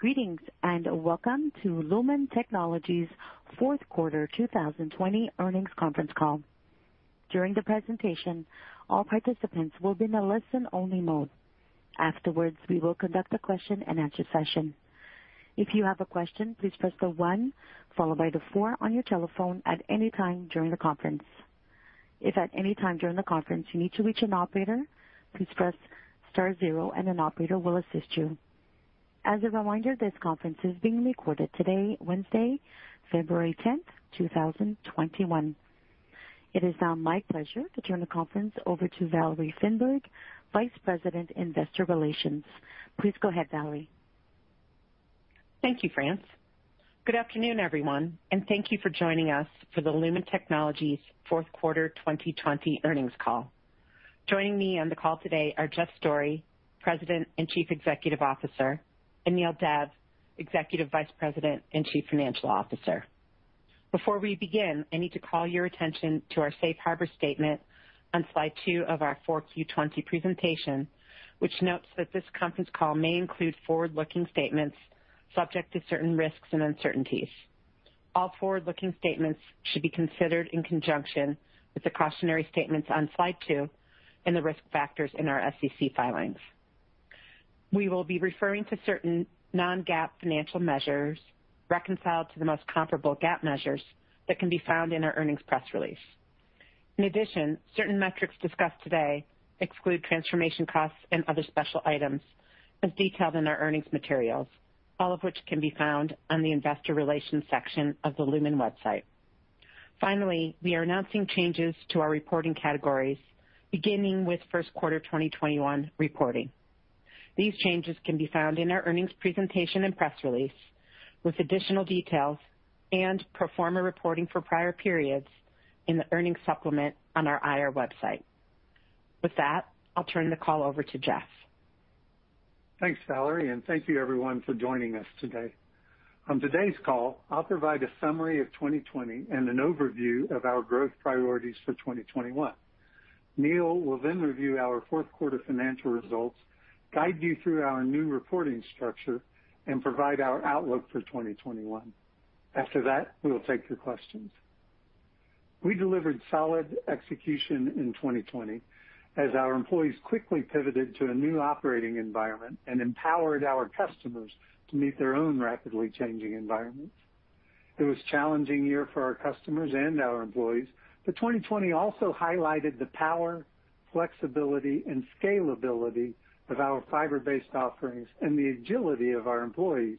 Greetings and welcome to Lumen Technologies' fourth quarter 2020 earnings conference call. During the presentation, all participants will be in a listen-only mode. Afterwards, we will conduct a question-and-answer session. If you have a question, please press the one followed by the four on your telephone at any time during the conference. If at any time during the conference you need to reach an operator, please press star zero, and an operator will assist you. As a reminder, this conference is being recorded today, Wednesday, February 10th, 2021. It is now my pleasure to turn the conference over to Valerie Finberg, Vice President, Investor Relations. Please go ahead, Valerie. Thank you, France. Good afternoon, everyone, and thank you for joining us for the Lumen Technologies' fourth quarter 2020 earnings call. Joining me on the call today are Jeff Storey, President and Chief Executive Officer, and Neel Dev, Executive Vice President and Chief Financial Officer. Before we begin, I need to call your attention to our Safe Harbor Statement on slide two of our 4Q 2020 presentation, which notes that this conference call may include forward-looking statements subject to certain risks and uncertainties. All forward-looking statements should be considered in conjunction with the cautionary statements on slide two and the risk factors in our SEC filings. We will be referring to certain non-GAAP financial measures reconciled to the most comparable GAAP measures that can be found in our earnings press release. In addition, certain metrics discussed today exclude transformation costs and other special items as detailed in our earnings materials, all of which can be found on the Investor Relations section of the Lumen website. Finally, we are announcing changes to our reporting categories, beginning with first quarter 2021 reporting. These changes can be found in our earnings presentation and press release with additional details and pro forma reporting for prior periods in the earnings supplement on our IR website. With that, I'll turn the call over to Jeff. Thanks, Valerie, and thank you, everyone, for joining us today. On today's call, I'll provide a summary of 2020 and an overview of our growth priorities for 2021. Neel will then review our fourth quarter financial results, guide you through our new reporting structure, and provide our outlook for 2021. After that, we'll take your questions. We delivered solid execution in 2020 as our employees quickly pivoted to a new operating environment and empowered our customers to meet their own rapidly changing environments. It was a challenging year for our customers and our employees, but 2020 also highlighted the power, flexibility, and scalability of our fiber-based offerings and the agility of our employees.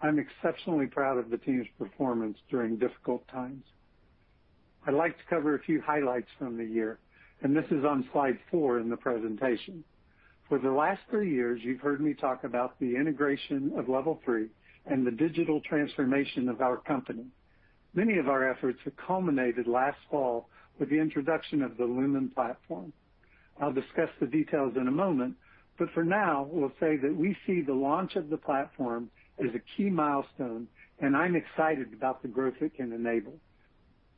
I'm exceptionally proud of the team's performance during difficult times. I'd like to cover a few highlights from the year, and this is on slide four in the presentation. For the last three years, you've heard me talk about the integration of Level 3 and the digital transformation of our company. Many of our efforts have culminated last fall with the introduction of the Lumen Platform. I'll discuss the details in a moment, but for now, we'll say that we see the launch of the platform as a key milestone, and I'm excited about the growth it can enable.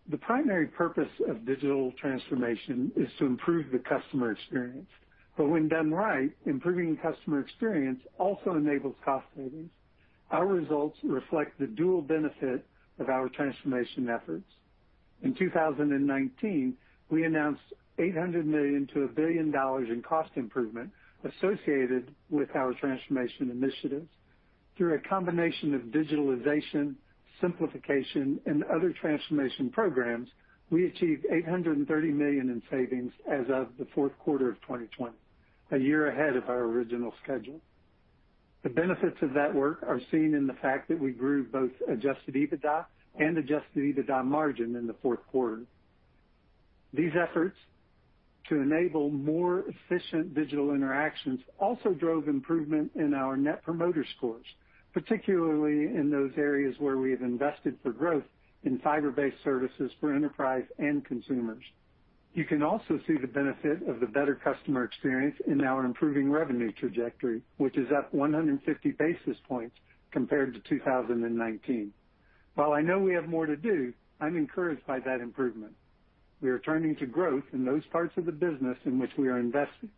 The primary purpose of digital transformation is to improve the customer experience, but when done right, improving customer experience also enables cost savings. Our results reflect the dual benefit of our transformation efforts. In 2019, we announced $800 million-$1 billion in cost improvement associated with our transformation initiatives. Through a combination of digitalization, simplification, and other transformation programs, we achieved $830 million in savings as of the fourth quarter of 2020, a year ahead of our original schedule. The benefits of that work are seen in the fact that we grew both adjusted EBITDA and adjusted EBITDA margin in the fourth quarter. These efforts to enable more efficient digital interactions also drove improvement in our net promoter scores, particularly in those areas where we have invested for growth in fiber-based services for enterprise and consumers. You can also see the benefit of the better customer experience in our improving revenue trajectory, which is up 150 basis points compared to 2019. While I know we have more to do, I'm encouraged by that improvement. We are turning to growth in those parts of the business in which we are investing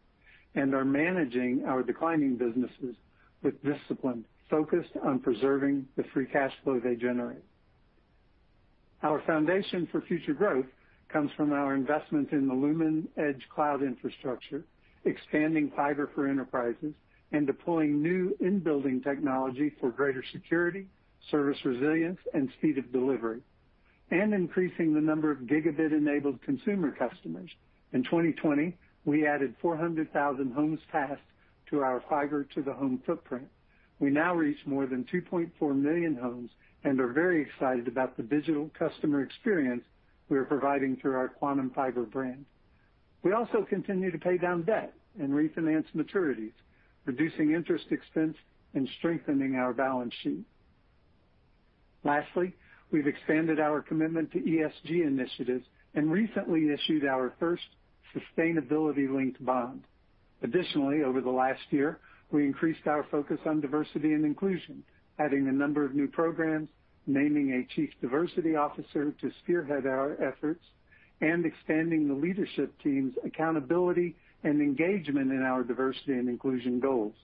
and are managing our declining businesses with discipline, focused on preserving the free cash flow they generate. Our foundation for future growth comes from our investment in the Lumen Edge Cloud infrastructure, expanding fiber for enterprises and deploying new in-building technology for greater security, service resilience, and speed of delivery, and increasing the number of gigabit-enabled Consumer customers. In 2020, we added 400,000 homes fast to our fiber-to-the-home footprint. We now reach more than 2.4 million homes and are very excited about the digital customer experience we are providing through our Quantum Fiber brand. We also continue to pay down debt and refinance maturities, reducing interest expense and strengthening our balance sheet. Lastly, we've expanded our commitment to ESG initiatives and recently issued our first sustainability-linked bond. Additionally, over the last year, we increased our focus on diversity and inclusion, adding a number of new programs, naming a Chief Diversity Officer to spearhead our efforts, and expanding the leadership team's accountability and engagement in our diversity and inclusion goals.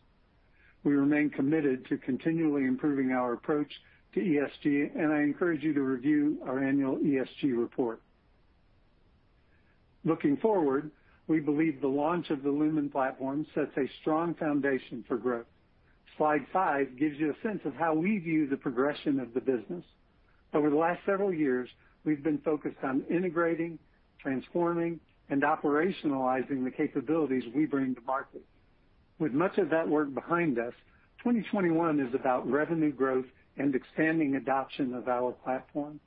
We remain committed to continually improving our approach to ESG, and I encourage you to review our annual ESG report. Looking forward, we believe the launch of the Lumen Platform sets a strong foundation for growth. Slide five gives you a sense of how we view the progression of the business. Over the last several years, we've been focused on integrating, transforming, and operationalizing the capabilities we bring to market. With much of that work behind us, 2021 is about revenue growth and expanding adoption of our platform.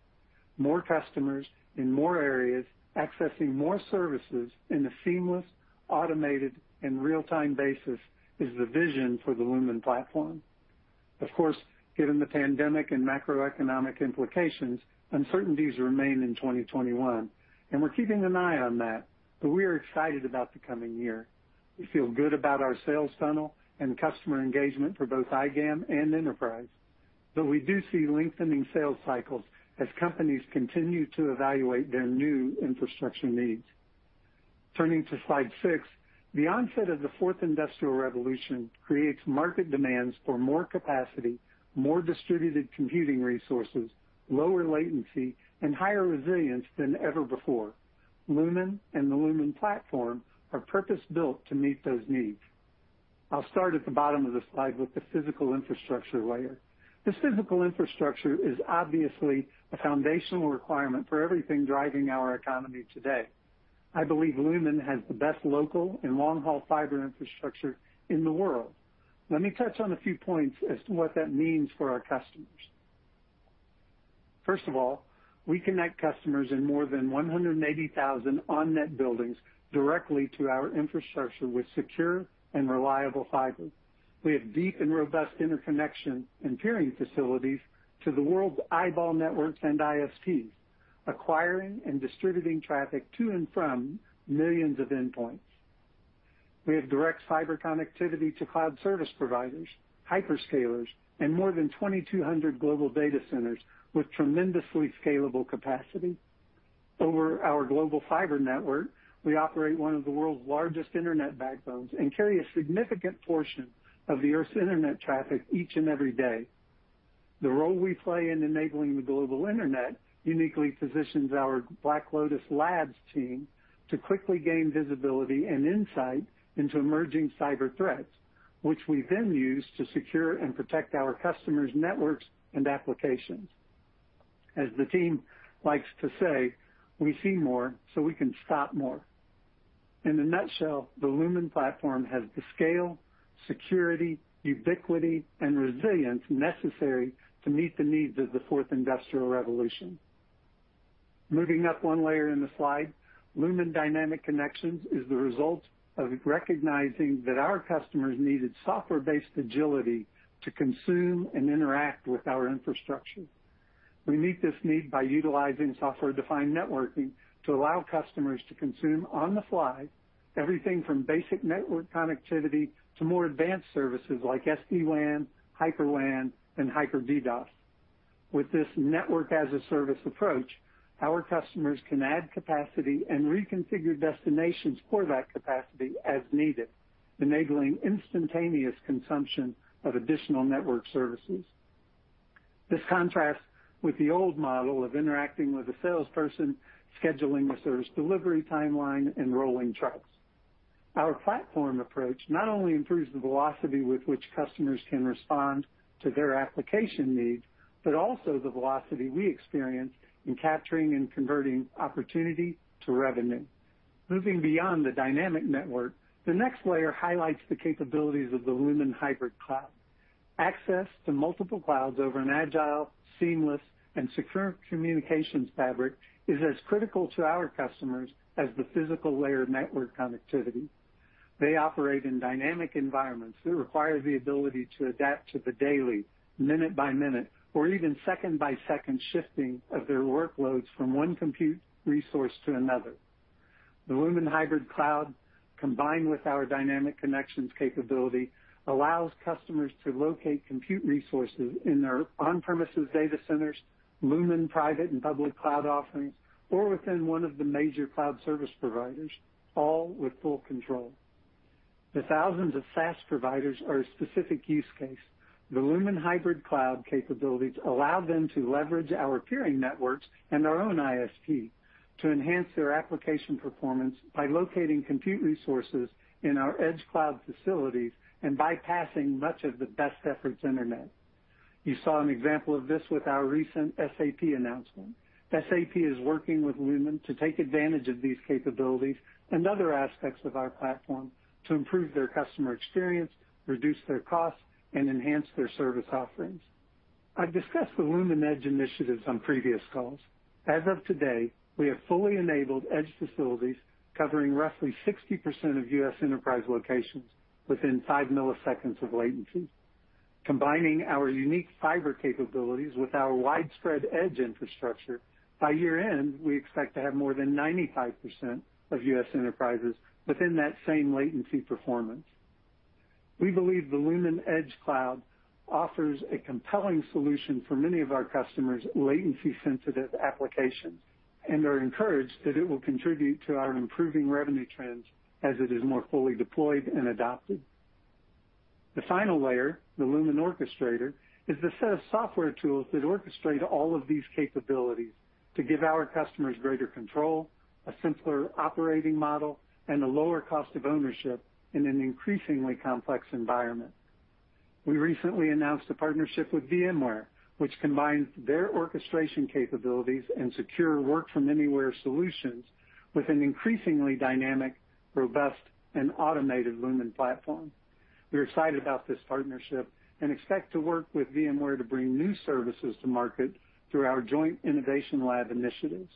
More customers in more areas, accessing more services in a seamless, automated, and real-time basis is the vision for the Lumen Platform. Of course, given the pandemic and macroeconomic implications, uncertainties remain in 2021, and we're keeping an eye on that, but we are excited about the coming year. We feel good about our sales funnel and customer engagement for both iGAM and Enterprise, but we do see lengthening sales cycles as companies continue to evaluate their new infrastructure needs. Turning to slide six, the onset of the 4th Industrial Revolution creates market demands for more capacity, more distributed computing resources, lower latency, and higher resilience than ever before. Lumen and the Lumen Platform are purpose-built to meet those needs. I'll start at the bottom of the slide with the physical infrastructure layer. This physical infrastructure is obviously a foundational requirement for everything driving our economy today. I believe Lumen has the best local and long-haul fiber infrastructure in the world. Let me touch on a few points as to what that means for our customers. First of all, we connect customers in more than 180,000 on-net buildings directly to our infrastructure with secure and reliable fiber. We have deep and robust interconnection and peering facilities to the world's eyeball networks and ISPs, acquiring and distributing traffic to and from millions of endpoints. We have direct fiber connectivity to cloud service providers, hyperscalers, and more than 2,200 global data centers with tremendously scalable capacity. Over our global fiber network, we operate one of the world's largest internet backbones and carry a significant portion of the Earth's internet traffic each and every day. The role we play in enabling the global internet uniquely positions our Black Lotus Labs team to quickly gain visibility and insight into emerging cyber threats, which we then use to secure and protect our customers' networks and applications. As the team likes to say, "We see more so we can stop more." In a nutshell, the Lumen Platform has the scale, security, ubiquity, and resilience necessary to meet the needs of the 4th Industrial Revolution. Moving up one layer in the slide, Lumen Dynamic Connections is the result of recognizing that our customers needed software-based agility to consume and interact with our infrastructure. We meet this need by utilizing software-defined networking to allow customers to consume on the fly everything from basic network connectivity to more advanced services like SD-WAN, Hyper-WAN, and Hyper-DDoS. With this network-as-a-service approach, our customers can add capacity and reconfigure destinations for that capacity as needed, enabling instantaneous consumption of additional network services. This contrasts with the old model of interacting with a salesperson, scheduling a service delivery timeline, and rolling trucks. Our platform approach not only improves the velocity with which customers can respond to their application needs, but also the velocity we experience in capturing and converting opportunity to revenue. Moving beyond the dynamic network, the next layer highlights the capabilities of the Lumen Hybrid Cloud. Access to multiple clouds over an agile, seamless, and secure communications fabric is as critical to our customers as the physical layer network connectivity. They operate in dynamic environments that require the ability to adapt to the daily, minute-by-minute, or even second-by-second shifting of their workloads from one compute resource to another. The Lumen Hybrid Cloud, combined with our Dynamic Connections capability, allows customers to locate compute resources in their on-premises data centers, Lumen private and public cloud offerings, or within one of the major cloud service providers, all with full control. The thousands of SaaS providers are a specific use case. The Lumen Hybrid Cloud capabilities allow them to leverage our peering networks and our own ISP to enhance their application performance by locating compute resources in our Edge Cloud facilities and bypassing much of the best efforts internet. You saw an example of this with our recent SAP announcement. SAP is working with Lumen to take advantage of these capabilities and other aspects of our platform to improve their customer experience, reduce their costs, and enhance their service offerings. I've discussed the Lumen Edge initiatives on previous calls. As of today, we have fully enabled Edge facilities covering roughly 60% of U.S. Enterprise locations within 5 ms of latency. Combining our unique fiber capabilities with our widespread Edge infrastructure, by year-end, we expect to have more than 95% of U.S. Enterprises within that same latency performance. We believe the Lumen Edge Cloud offers a compelling solution for many of our customers' latency-sensitive applications and are encouraged that it will contribute to our improving revenue trends as it is more fully deployed and adopted. The final layer, the Lumen Orchestrator, is the set of software tools that orchestrate all of these capabilities to give our customers greater control, a simpler operating model, and a lower cost of ownership in an increasingly complex environment. We recently announced a partnership with VMware, which combines their orchestration capabilities and secure work-from-anywhere solutions with an increasingly dynamic, robust, and automated Lumen Platform. We're excited about this partnership and expect to work with VMware to bring new services to market through our joint innovation lab initiatives.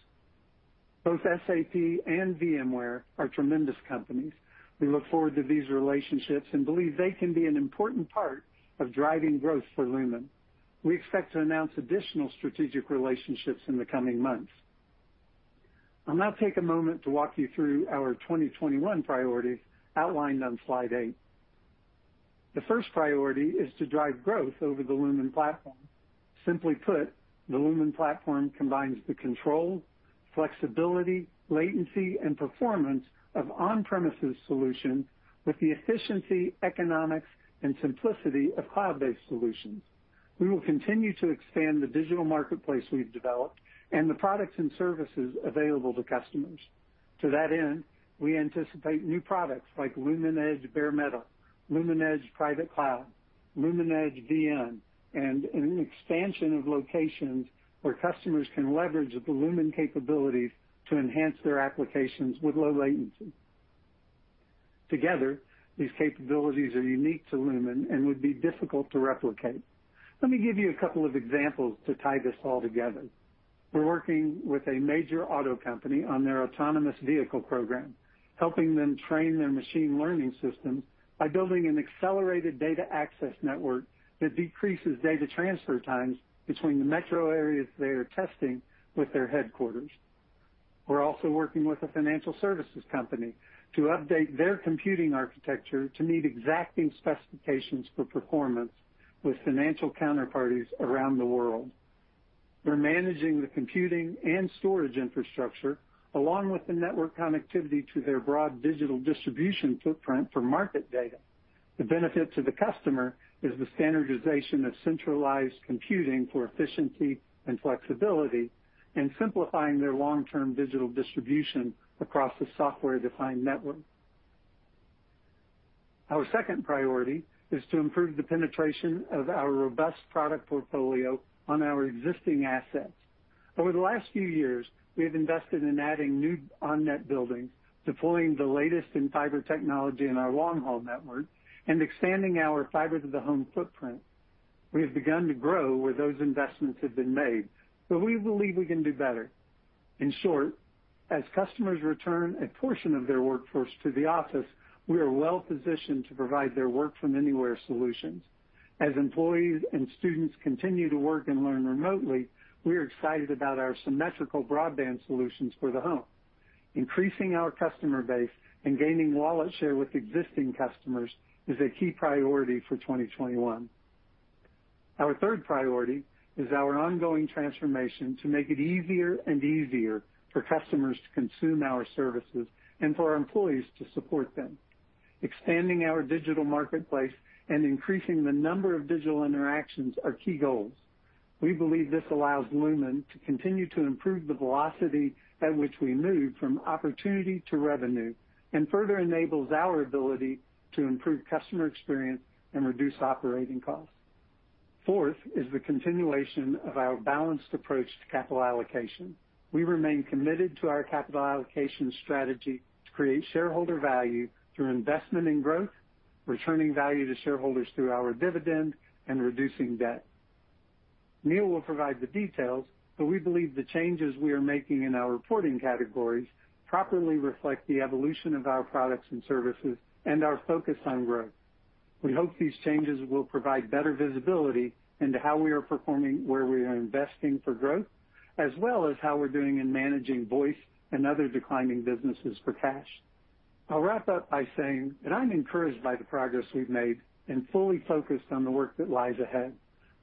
Both SAP and VMware are tremendous companies. We look forward to these relationships and believe they can be an important part of driving growth for Lumen. We expect to announce additional strategic relationships in the coming months. I'll now take a moment to walk you through our 2021 priorities outlined on slide eight. The first priority is to drive growth over the Lumen platform. Simply put, the Lumen platform combines the control, flexibility, latency, and performance of on-premises solutions with the efficiency, economics, and simplicity of cloud-based solutions. We will continue to expand the digital marketplace we've developed and the products and services available to customers. To that end, we anticipate new products like Lumen Edge Bare Metal, Lumen Edge Private Cloud, Lumen Edge VM, and an expansion of locations where customers can leverage the Lumen capabilities to enhance their applications with low latency. Together, these capabilities are unique to Lumen and would be difficult to replicate. Let me give you a couple of examples to tie this all together. We're working with a major auto company on their autonomous vehicle program, helping them train their machine learning systems by building an accelerated data access network that decreases data transfer times between the metro areas they are testing with their headquarters. We're also working with a financial services company to update their computing architecture to meet exacting specifications for performance with financial counterparties around the world. We're managing the computing and storage infrastructure along with the network connectivity to their broad digital distribution footprint for market data. The benefit to the customer is the standardization of centralized computing for efficiency and flexibility and simplifying their long-term digital distribution across the software-defined network. Our second priority is to improve the penetration of our robust product portfolio on our existing assets. Over the last few years, we have invested in adding new on-net buildings, deploying the latest in fiber technology in our long-haul network, and expanding our fiber-to-the-home footprint. We have begun to grow where those investments have been made, but we believe we can do better. In short, as customers return a portion of their workforce to the office, we are well-positioned to provide their work-from-anywhere solutions. As employees and students continue to work and learn remotely, we are excited about our symmetrical broadband solutions for the home. Increasing our customer base and gaining wallet share with existing customers is a key priority for 2021. Our third priority is our ongoing transformation to make it easier and easier for customers to consume our services and for our employees to support them. Expanding our digital marketplace and increasing the number of digital interactions are key goals. We believe this allows Lumen to continue to improve the velocity at which we move from opportunity to revenue and further enables our ability to improve customer experience and reduce operating costs. Fourth is the continuation of our balanced approach to capital allocation. We remain committed to our capital allocation strategy to create shareholder value through investment and growth, returning value to shareholders through our dividend, and reducing debt. Neel will provide the details, but we believe the changes we are making in our reporting categories properly reflect the evolution of our products and services and our focus on growth. We hope these changes will provide better visibility into how we are performing, where we are investing for growth, as well as how we're doing in managing Voice & Other declining businesses for cash. I'll wrap up by saying that I'm encouraged by the progress we've made and fully focused on the work that lies ahead.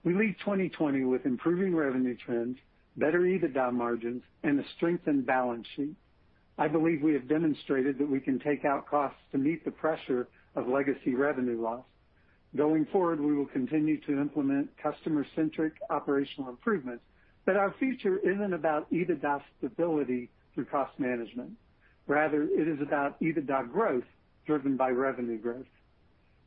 We leave 2020 with improving revenue trends, better EBITDA margins, and a strengthened balance sheet. I believe we have demonstrated that we can take out costs to meet the pressure of legacy revenue loss. Going forward, we will continue to implement customer-centric operational improvements, but our future isn't about EBITDA stability through cost management. Rather, it is about EBITDA growth driven by revenue growth.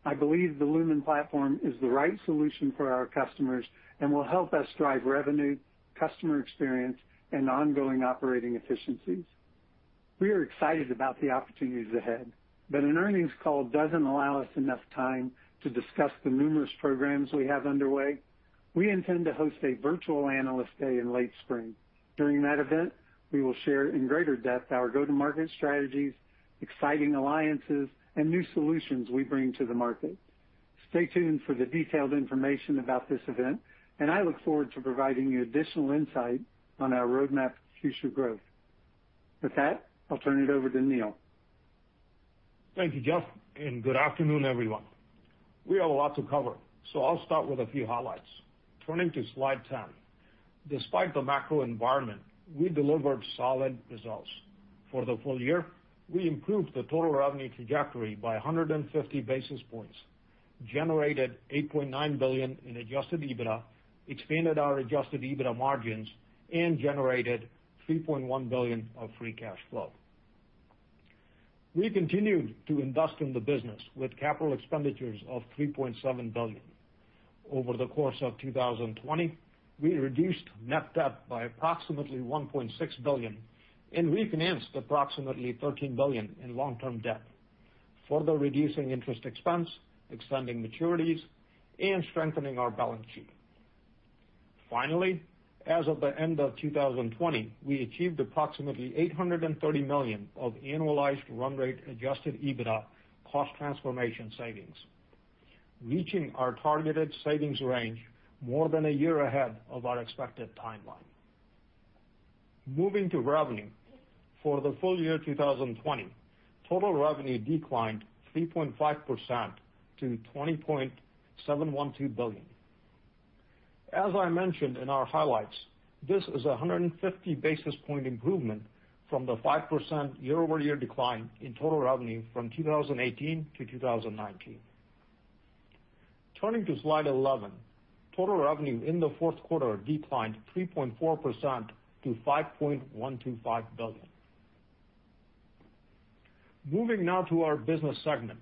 I believe the Lumen Platform is the right solution for our customers and will help us drive revenue, customer experience, and ongoing operating efficiencies. We are excited about the opportunities ahead, an earnings call does not allow us enough time to discuss the numerous programs we have underway. We intend to host a virtual analyst day in late spring. During that event, we will share in greater depth our go-to-market strategies, exciting alliances, and new solutions we bring to the market. Stay tuned for the detailed information about this event, and I look forward to providing you additional insight on our roadmap to future growth. With that, I will turn it over to Neel. Thank you, Jeff, and good afternoon, everyone. We have a lot to cover, so I will start with a few highlights. Turning to slide 10, despite the macro environment, we delivered solid results. For the full year, we improved the total revenue trajectory by 150 basis points, generated $8.9 billion in adjusted EBITDA, expanded our adjusted EBITDA margins, and generated $3.1 billion of free cash flow. We continued to invest in the business with capital expenditures of $3.7 billion. Over the course of 2020, we reduced net debt by approximately $1.6 billion and refinanced approximately $13 billion in long-term debt, further reducing interest expense, extending maturities, and strengthening our balance sheet. Finally, as of the end of 2020, we achieved approximately $830 million of annualized run-rate adjusted EBITDA cost transformation savings, reaching our targeted savings range more than a year ahead of our expected timeline. Moving to revenue, for the full year 2020, total revenue declined 3.5% to $20.712 billion. As I mentioned in our highlights, this is a 150 basis point improvement from the 5% year-over-year decline in total revenue from 2018 to 2019. Turning to slide 11, total revenue in the fourth quarter declined 3.4% to $5.125 billion. Moving now to our Business segment.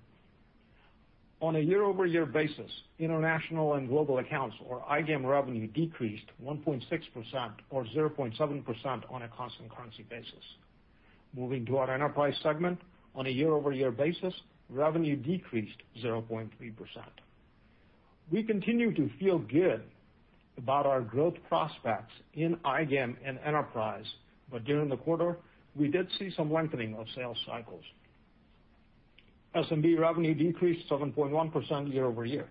On a year-over-year basis, international and global accounts, or iGAM, revenue decreased 1.6% or 0.7% on a constant currency basis. Moving to our Enterprise segment, on a year-over-year basis, revenue decreased 0.3%. We continue to feel good about our growth prospects in iGAM and Enterprise, but during the quarter, we did see some lengthening of sales cycles. SMB revenue decreased 7.1% year-over-year.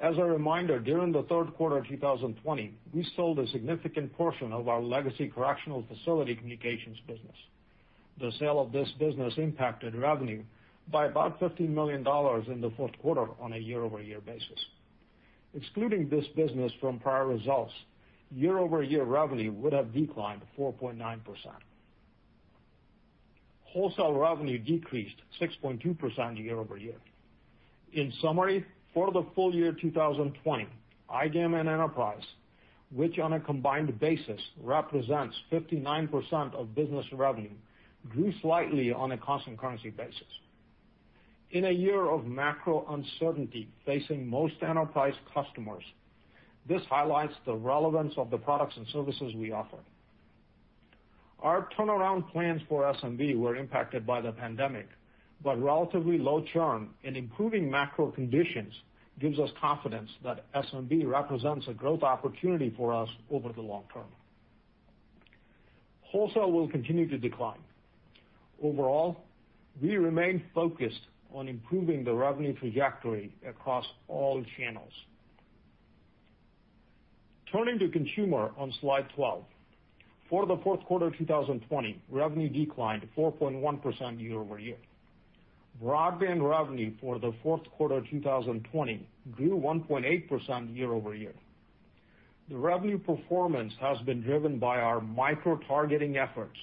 As a reminder, during the third quarter of 2020, we sold a significant portion of our legacy correctional facility communications business. The sale of this business impacted revenue by about $15 million in the fourth quarter on a year-over-year basis. Excluding this business from prior results, year-over-year revenue would have declined 4.9%. Wholesale revenue decreased 6.2% year-over-year. In summary, for the full year 2020, iGAM and Enterprise, which on a combined basis represents 59% of Business revenue, grew slightly on a constant currency basis. In a year of macro uncertainty facing most enterprise customers, this highlights the relevance of the products and services we offer. Our turnaround plans for SMB were impacted by the pandemic, but relatively low churn and improving macro conditions gives us confidence that SMB represents a growth opportunity for us over the long term. Wholesale will continue to decline. Overall, we remain focused on improving the revenue trajectory across all channels. Turning to Consumer on slide 12, for the fourth quarter 2020, revenue declined 4.1% year-over-year. Broadband revenue for the fourth quarter 2020 grew 1.8% year-over-year. The revenue performance has been driven by our micro-targeting efforts,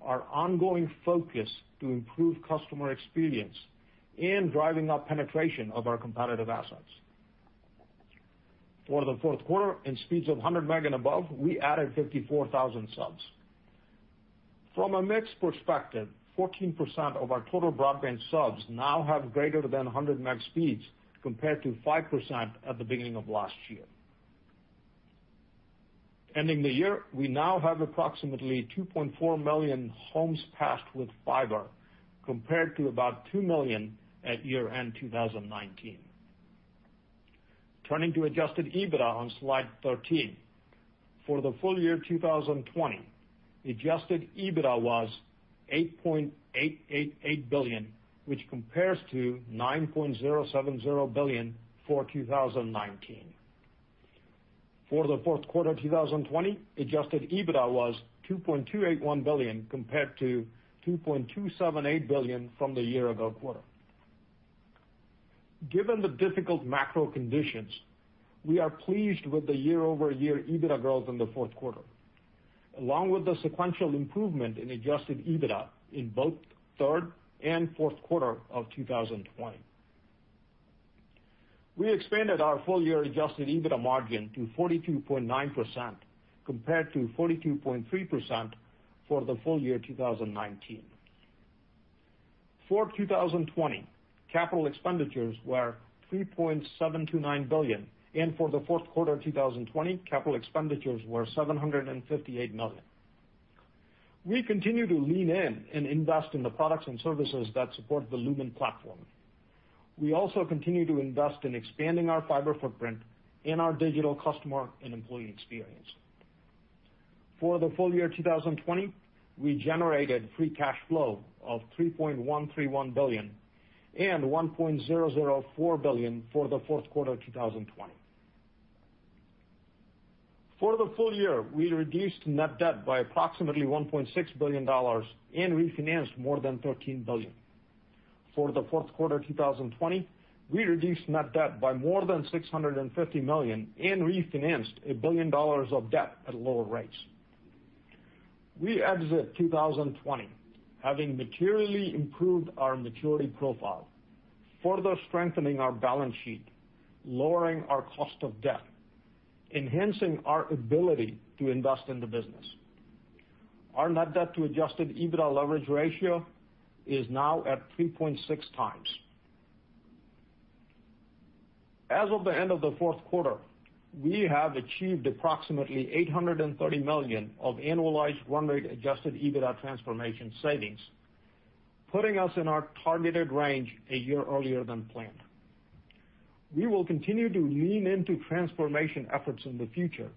our ongoing focus to improve customer experience, and driving up penetration of our competitive assets. For the fourth quarter, in speeds of 100 meg and above, we added 54,000 subs. From a mixed perspective, 14% of our total broadband subs now have greater than 100 meg speeds compared to 5% at the beginning of last year. Ending the year, we now have approximately 2.4 million homes passed with fiber compared to about 2 million at year-end 2019. Turning to adjusted EBITDA on slide 13, for the full year 2020, adjusted EBITDA was $8.888 billion, which compares to $9.070 billion for 2019. For the fourth quarter 2020, adjusted EBITDA was $2.281 billion compared to $2.278 billion from the year-ago quarter. Given the difficult macro conditions, we are pleased with the year-over-year EBITDA growth in the fourth quarter, along with the sequential improvement in adjusted EBITDA in both third and fourth quarter of 2020. We expanded our full-year adjusted EBITDA margin to 42.9% compared to 42.3% for the full year 2019. For 2020, capital expenditures were $3.729 billion, and for the fourth quarter 2020, capital expenditures were $758 million. We continue to lean in and invest in the products and services that support the Lumen Platform. We also continue to invest in expanding our fiber footprint and our digital customer and employee experience. For the full year 2020, we generated free cash flow of $3.131 billion and $1.004 billion for the fourth quarter 2020. For the full year, we reduced net debt by approximately $1.6 billion and refinanced more than $13 billion. For the fourth quarter 2020, we reduced net debt by more than $650 million and refinanced $1 billion of debt at lower rates. We exit 2020 having materially improved our maturity profile, further strengthening our balance sheet, lowering our cost of debt, enhancing our ability to invest in the business. Our net debt to adjusted EBITDA leverage ratio is now at 3.6x. As of the end of the fourth quarter, we have achieved approximately $830 million of annualized run-rate adjusted EBITDA transformation savings, putting us in our targeted range a year earlier than planned. We will continue to lean into transformation efforts in the future,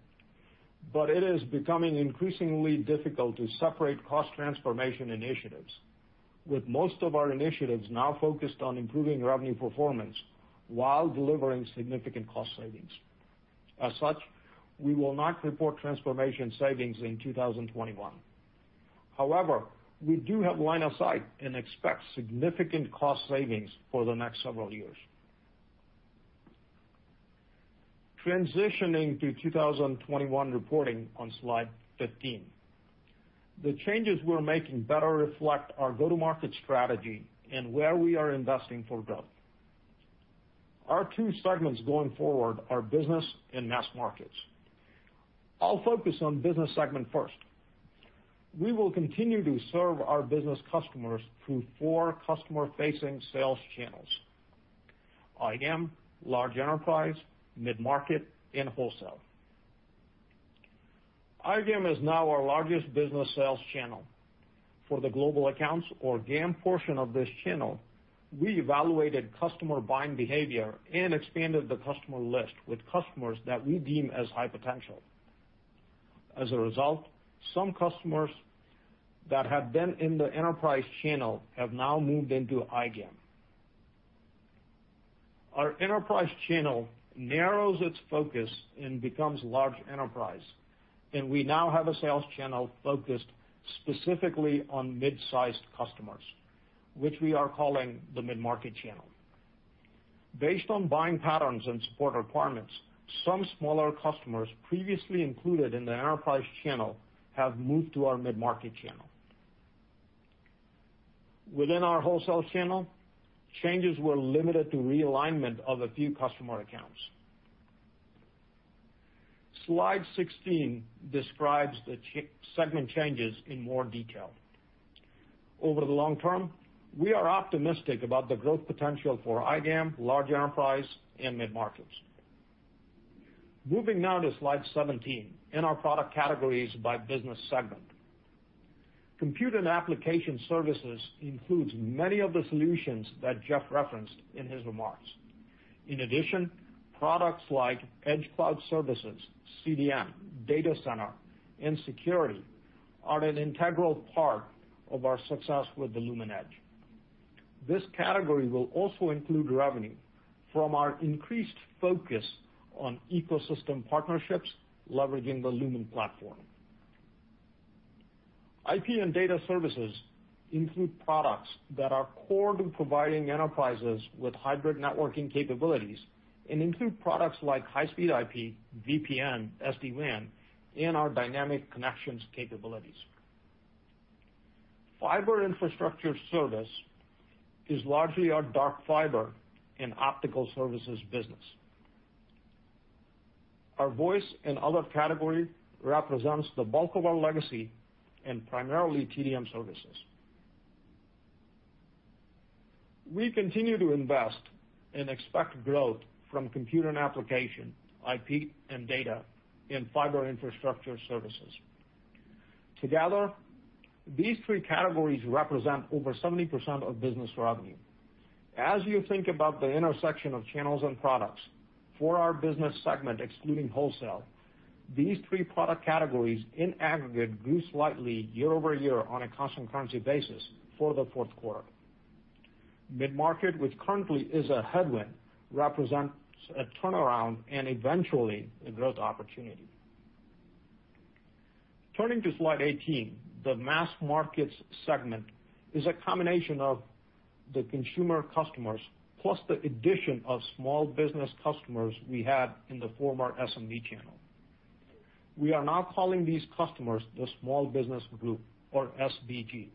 but it is becoming increasingly difficult to separate cost transformation initiatives, with most of our initiatives now focused on improving revenue performance while delivering significant cost savings. As such, we will not report transformation savings in 2021. However, we do have line of sight and expect significant cost savings for the next several years. Transitioning to 2021 reporting on slide 15, the changes we're making better reflect our go-to-market strategy and where we are investing for growth. Our two segments going forward are Business and Mass Markets. I'll focus on Business segment first. We will continue to serve our Business customers through four customer-facing sales channels: iGAM, Large Enterprise, Mid-Market, and Wholesale. iGAM is now our largest business sales channel. For the global accounts, or GAM portion of this channel, we evaluated customer buying behavior and expanded the customer list with customers that we deem as high potential. As a result, some customers that had been in the Enterprise channel have now moved into iGAM. Our Enterprise channel narrows its focus and becomes Large Enterprise, and we now have a sales channel focused specifically on mid-sized customers, which we are calling the Mid-Market channel. Based on buying patterns and support requirements, some smaller customers previously included in the Enterprise channel have moved to our Mid-Market channel. Within our Wholesale channel, changes were limited to realignment of a few customer accounts. Slide 16 describes the segment changes in more detail. Over the long term, we are optimistic about the growth potential for iGAM, Large Enterprise, and Mid-Markets. Moving now to slide 17 in our product categories by Business segment. Compute & Application Services includes many of the solutions that Jeff referenced in his remarks. In addition, products like Edge Cloud Services, CDN, data center, and security are an integral part of our success with the Lumen Edge. This category will also include revenue from our increased focus on ecosystem partnerships leveraging the Lumen Platform. IP and data services include products that are core to providing enterprises with hybrid networking capabilities and include products like high-speed IP, VPN, SD-WAN, and our Dynamic Connections capabilities. Fiber Infrastructure Service is largely our dark fiber and optical services business. Our Voice & Other category represents the bulk of our legacy and primarily TDM services. We continue to invest and expect growth from Compute & Application, IP & Data, and Fiber Infrastructure Services. Together, these three categories represent over 70% of business revenue. As you think about the intersection of channels and products for our Business segment, excluding Wholesale, these three product categories in aggregate grew slightly year-over-year on a constant currency basis for the fourth quarter. Mid-Market, which currently is a headwind, represents a turnaround and eventually a growth opportunity. Turning to slide 18, the Mass Markets segment is a combination of the Consumer customers plus the addition of Small Business customers we had in the former SMB channel. We are now calling these customers the Small Business Group, or SBG.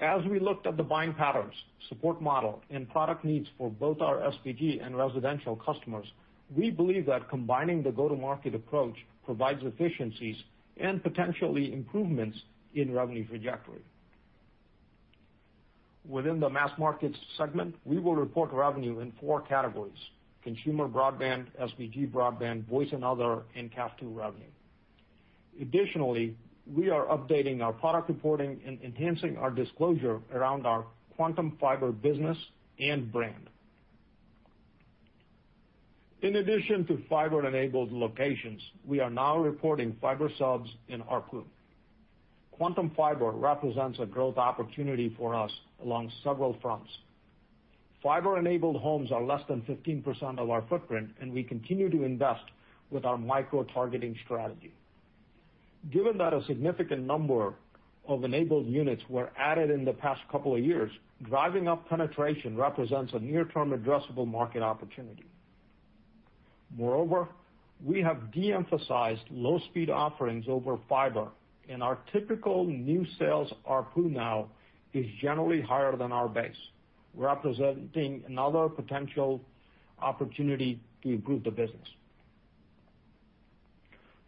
As we looked at the buying patterns, support model, and product needs for both our SBG and residential customers, we believe that combining the go-to-market approach provides efficiencies and potentially improvements in revenue trajectory. Within the Mass Markets segment, we will report revenue in four categories: Consumer Broadband, SBG Broadband, Voice & Other, and CAF II revenue. Additionally, we are updating our product reporting and enhancing our disclosure around our Quantum Fiber business and brand. In addition to fiber-enabled locations, we are now reporting fiber subs in [Arcloom]. Quantum Fiber represents a growth opportunity for us along several fronts. Fiber-enabled homes are less than 15% of our footprint, and we continue to invest with our micro-targeting strategy. Given that a significant number of enabled units were added in the past couple of years, driving up penetration represents a near-term addressable market opportunity. Moreover, we have de-emphasized low-speed offerings over fiber, and our typical new sales ARPU now is generally higher than our base, representing another potential opportunity to improve the business.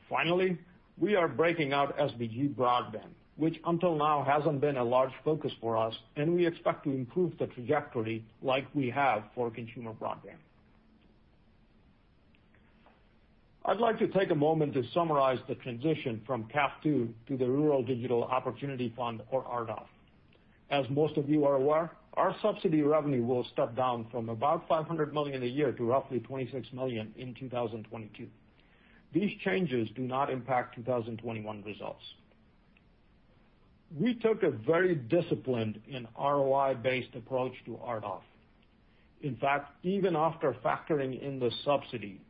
Finally, we are breaking out SBG Broadband, which until now has not been a large focus for us, and we expect to improve the trajectory like we have for Consumer Broadband. I would like to take a moment to summarize the transition from CAF II to the Rural Digital Opportunity Fund, or RDOF. As most of you are aware, our subsidy revenue will step down from about $500 million a year to roughly $26 million in 2022. These changes do not impact 2021 results. We took a very disciplined and ROI-based approach to RDOF. In fact, even after factoring in the subsidy,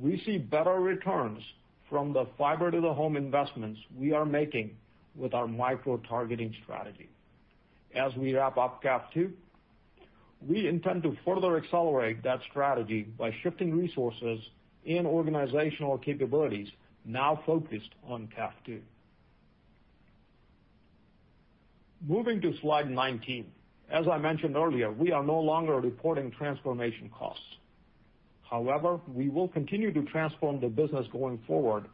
we see better returns from the fiber-to-the-home investments we are making with our micro-targeting strategy. As we wrap up CAF II, we intend to further accelerate that strategy by shifting resources and organizational capabilities now focused on CAF II. Moving to slide 19, as I mentioned earlier, we are no longer reporting transformation costs. However, we will continue to transform the business going forward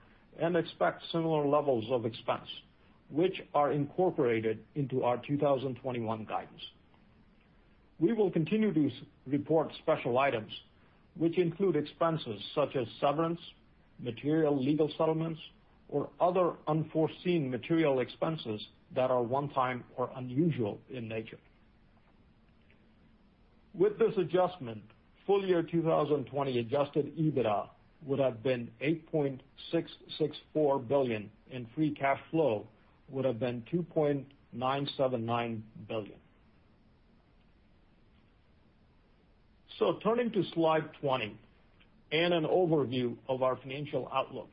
and expect similar levels of expense, which are incorporated into our 2021 guidance. We will continue to report special items, which include expenses such as severance, material legal settlements, or other unforeseen material expenses that are one-time or unusual in nature. With this adjustment, full year 2020 adjusted EBITDA would have been $8.664 billion, and free cash flow would have been $2.979 billion. Turning to slide 20 and an overview of our financial outlook,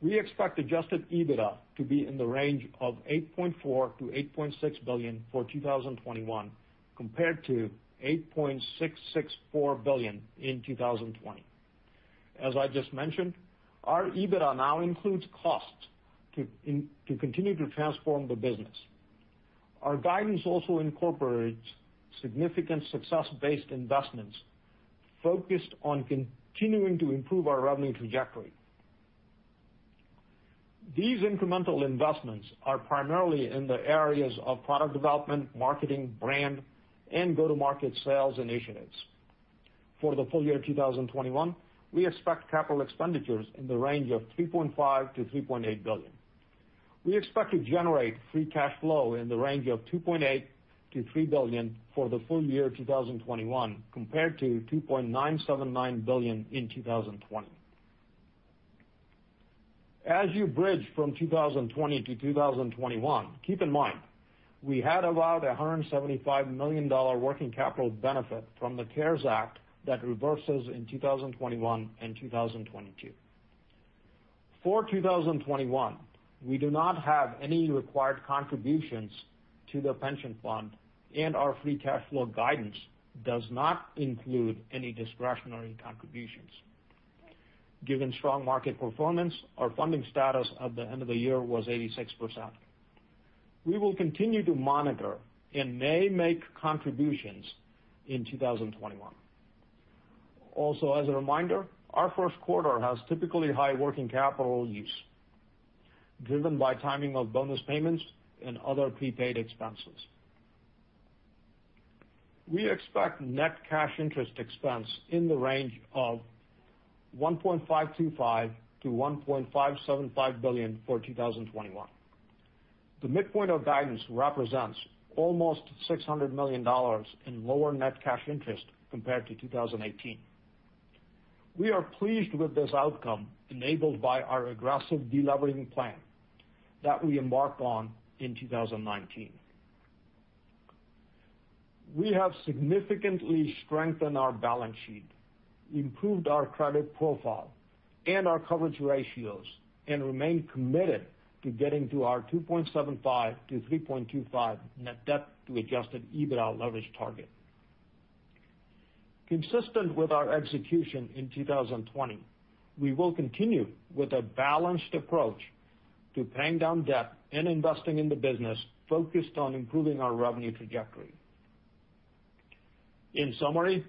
we expect adjusted EBITDA to be in the range of $8.4 billion-$8.6 billion for 2021 compared to $8.664 billion in 2020. As I just mentioned, our EBITDA now includes costs to continue to transform the business. Our guidance also incorporates significant success-based investments focused on continuing to improve our revenue trajectory. These incremental investments are primarily in the areas of product development, marketing, brand, and go-to-market sales initiatives. For the full year 2021, we expect capital expenditures in the range of $3.5 billion-$3.8 billion. We expect to generate free cash flow in the range of $2.8 billion-$3 billion for the full year 2021 compared to $2.979 billion in 2020. As you bridge from 2020 to 2021, keep in mind we had about a $175 million working capital benefit from the CARES Act that reverses in 2021 and 2022. For 2021, we do not have any required contributions to the pension fund, and our free cash flow guidance does not include any discretionary contributions. Given strong market performance, our funding status at the end of the year was 86%. We will continue to monitor and may make contributions in 2021. Also, as a reminder, our first quarter has typically high working capital use, driven by timing of bonus payments and other prepaid expenses. We expect net cash interest expense in the range of $1.525 billion-$1.575 billion for 2021. The midpoint of guidance represents almost $600 million in lower net cash interest compared to 2018. We are pleased with this outcome enabled by our aggressive deleveraging plan that we embarked on in 2019. We have significantly strengthened our balance sheet, improved our credit profile, and our coverage ratios, and remain committed to getting to our 2.75x-3.25x net debt to adjusted EBITDA leverage target. Consistent with our execution in 2020, we will continue with a balanced approach to paying down debt and investing in the business focused on improving our revenue trajectory. In summary,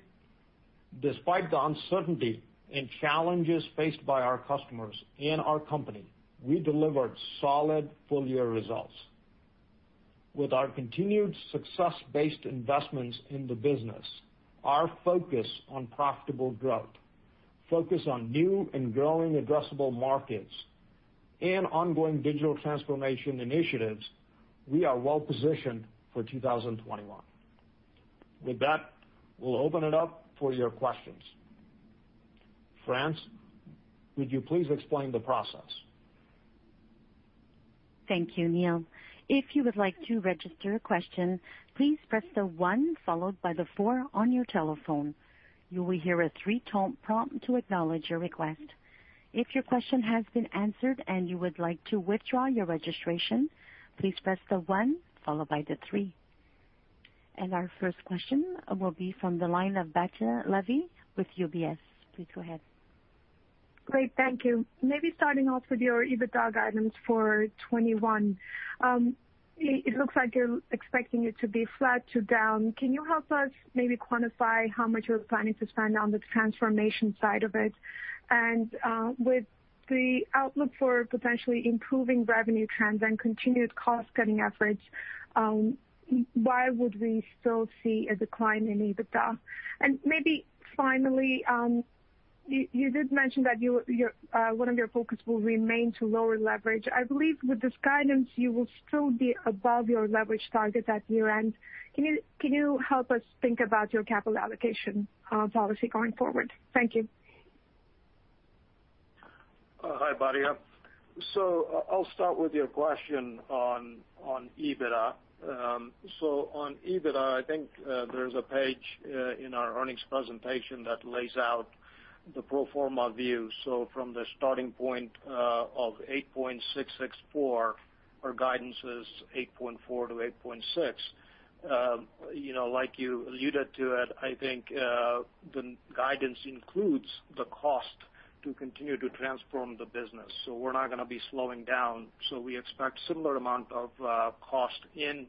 despite the uncertainty and challenges faced by our customers and our company, we delivered solid full-year results. With our continued success-based investments in the business, our focus on profitable growth, focus on new and growing addressable markets, and ongoing digital transformation initiatives, we are well-positioned for 2021. With that, we'll open it up for your questions. France, would you please explain the process? Thank you, Neel. If you would like to register a question, please press the one followed by the four on your telephone. You will hear a three-tone prompt to acknowledge your request. If your question has been answered and you would like to withdraw your registration, please press the one followed by the three. Our first question will be from the line of Batya Levi with UBS. Please go ahead. Great. Thank you. Maybe starting off with your EBITDA guidance for 2021, it looks like you're expecting it to be flat to down. Can you help us maybe quantify how much you're planning to spend on the transformation side of it? With the outlook for potentially improving revenue trends and continued cost-cutting efforts, why would we still see a decline in EBITDA? Maybe finally, you did mention that one of your focuses will remain to lower leverage. I believe with this guidance, you will still be above your leverage target at year-end. Can you help us think about your capital allocation policy going forward? Thank you. Hi, Batya. I will start with your question on EBITDA. On EBITDA, I think there is a page in our earnings presentation that lays out the pro forma view. From the starting point of $8.664 billion, our guidance is $8.4 billion-$8.6 billion. Like you alluded to, I think the guidance includes the cost to continue to transform the business. We are not going to be slowing down. We expect a similar amount of cost in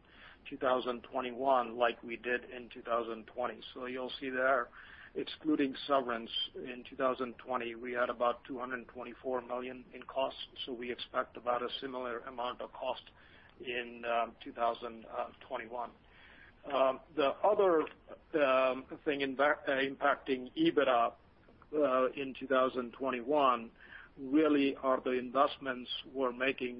2021 like we did in 2020. You will see there, excluding severance, in 2020, we had about $224 million in cost. We expect about a similar amount of cost in 2021. The other thing impacting EBITDA in 2021 really are the investments we're making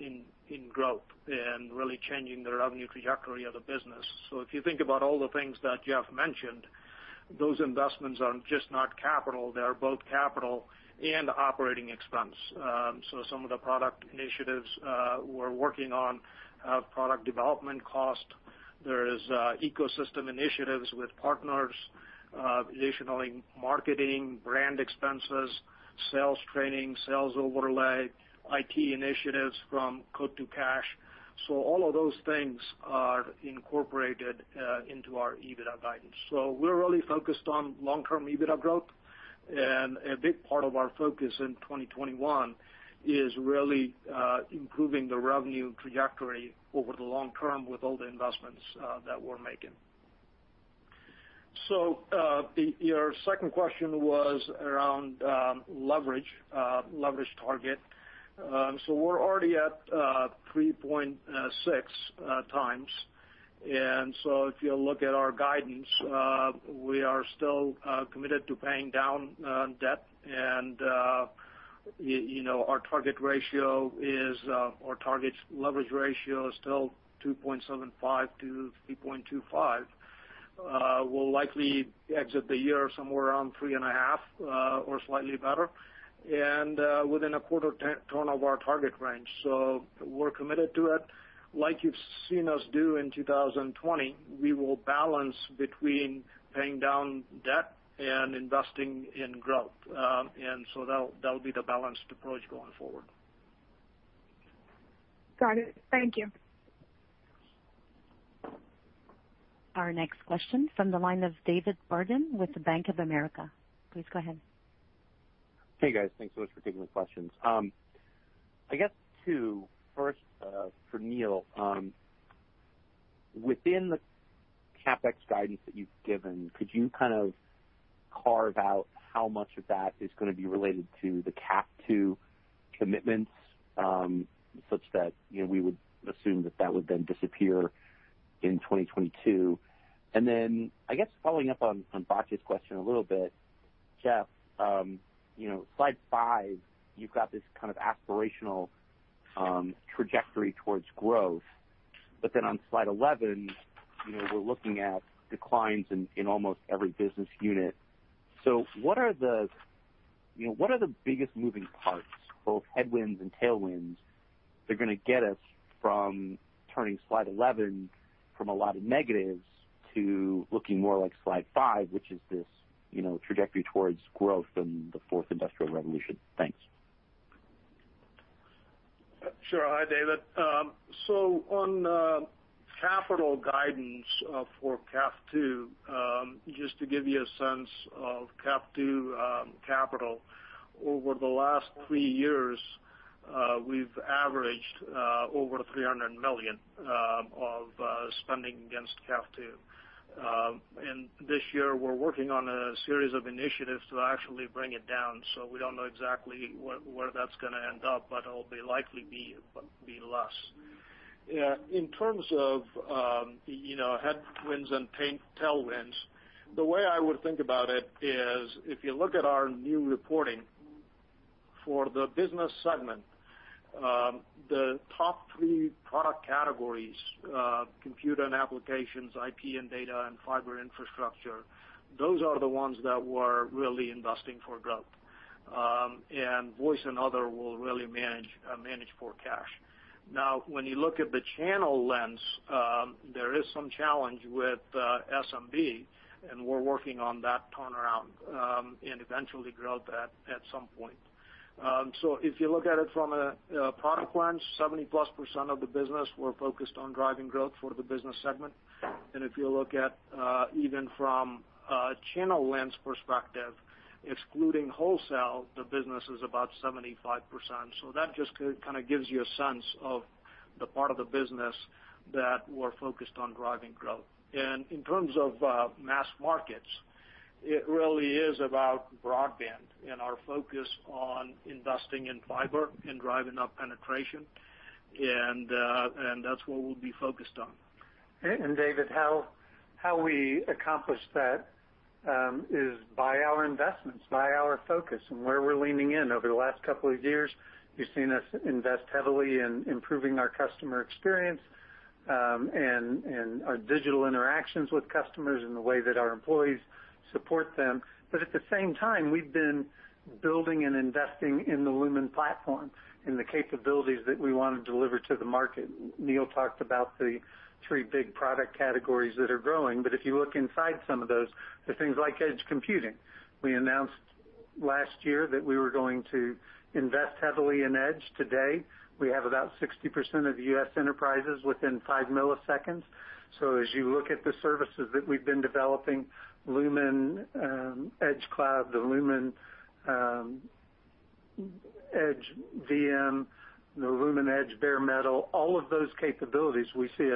in growth and really changing the revenue trajectory of the business. If you think about all the things that Jeff mentioned, those investments are just not capital. They're both capital and operating expense. Some of the product initiatives we're working on have product development cost. There are ecosystem initiatives with partners, additional marketing, brand expenses, sales training, sales overlay, IT initiatives from code to cash. All of those things are incorporated into our EBITDA guidance. We're really focused on long-term EBITDA growth. A big part of our focus in 2021 is really improving the revenue trajectory over the long term with all the investments that we're making. Your second question was around leverage, leverage target. We're already at 3.6x. If you look at our guidance, we are still committed to paying down debt. Our target leverage ratio is still 2.75x-3.25x. We'll likely exit the year somewhere around 3.5x or slightly better and within a quarter turn of our target range. We are committed to it. Like you've seen us do in 2020, we will balance between paying down debt and investing in growth. That will be the balanced approach going forward. Got it. Thank you. Our next question from the line of David Barden with Bank of America. Please go ahead. Hey, guys. Thanks so much for taking the questions. I guess two, first for Neel, within the CapEx guidance that you've given, could you kind of carve out how much of that is going to be related to the CAF II commitments such that we would assume that that would then disappear in 2022? I guess following up on Batya's question a little bit, Jeff, slide 5, you've got this kind of aspirational trajectory towards growth. On slide 11, we're looking at declines in almost every business unit. What are the biggest moving parts, both headwinds and tailwinds, that are going to get us from turning slide 11 from a lot of negatives to looking more like slide 5, which is this trajectory towards growth and the 4th Industrial Revolution? Thanks. Sure. Hi, David. On capital guidance for CAF II, just to give you a sense of CAF II capital, over the last three years, we've averaged over $300 million of spending against CAF II. This year, we're working on a series of initiatives to actually bring it down. We don't know exactly where that's going to end up, but it'll likely be less. In terms of headwinds and tailwinds, the way I would think about it is if you look at our new reporting for the Business segment, the top three product categories: Compute & Applications, IP & Data, and Fiber Infrastructure, those are the ones that we're really investing for growth. Voice & Other will really manage for cash. Now, when you look at the channel lens, there is some challenge with SMB, and we're working on that turnaround and eventually growth at some point. If you look at it from a product lens, 70%+ of the business, we're focused on driving growth for the Business segment. If you look at even from a channel lens perspective, excluding Wholesale, the Business is about 75%. That just kind of gives you a sense of the part of the business that we're focused on driving growth. In terms of Mass Markets, it really is about broadband and our focus on investing in fiber and driving up penetration. That's what we'll be focused on. David, how we accomplish that is by our investments, by our focus and where we're leaning in. Over the last couple of years, you've seen us invest heavily in improving our customer experience and our digital interactions with customers and the way that our employees support them. At the same time, we've been building and investing in the Lumen Platform and the capabilities that we want to deliver to the market. Neel talked about the three big product categories that are growing. If you look inside some of those, there are things like edge computing. We announced last year that we were going to invest heavily in edge. Today, we have about 60% of the U.S. Enterprises within 5 ms. As you look at the services that we've been developing, Lumen Edge Cloud, the Lumen Edge VM, the Lumen Edge Bare Metal, all of those capabilities we see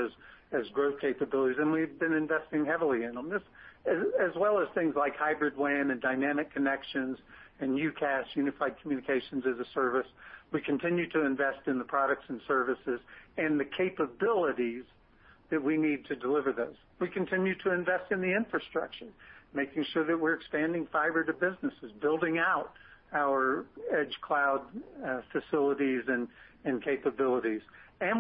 as growth capabilities. We've been investing heavily in them, as well as things like hybrid WAN and Dynamic Connections and UCaaS, Unified Communications as a Service. We continue to invest in the products and services and the capabilities that we need to deliver those. We continue to invest in the infrastructure, making sure that we're expanding fiber to businesses, building out our Edge Cloud facilities and capabilities.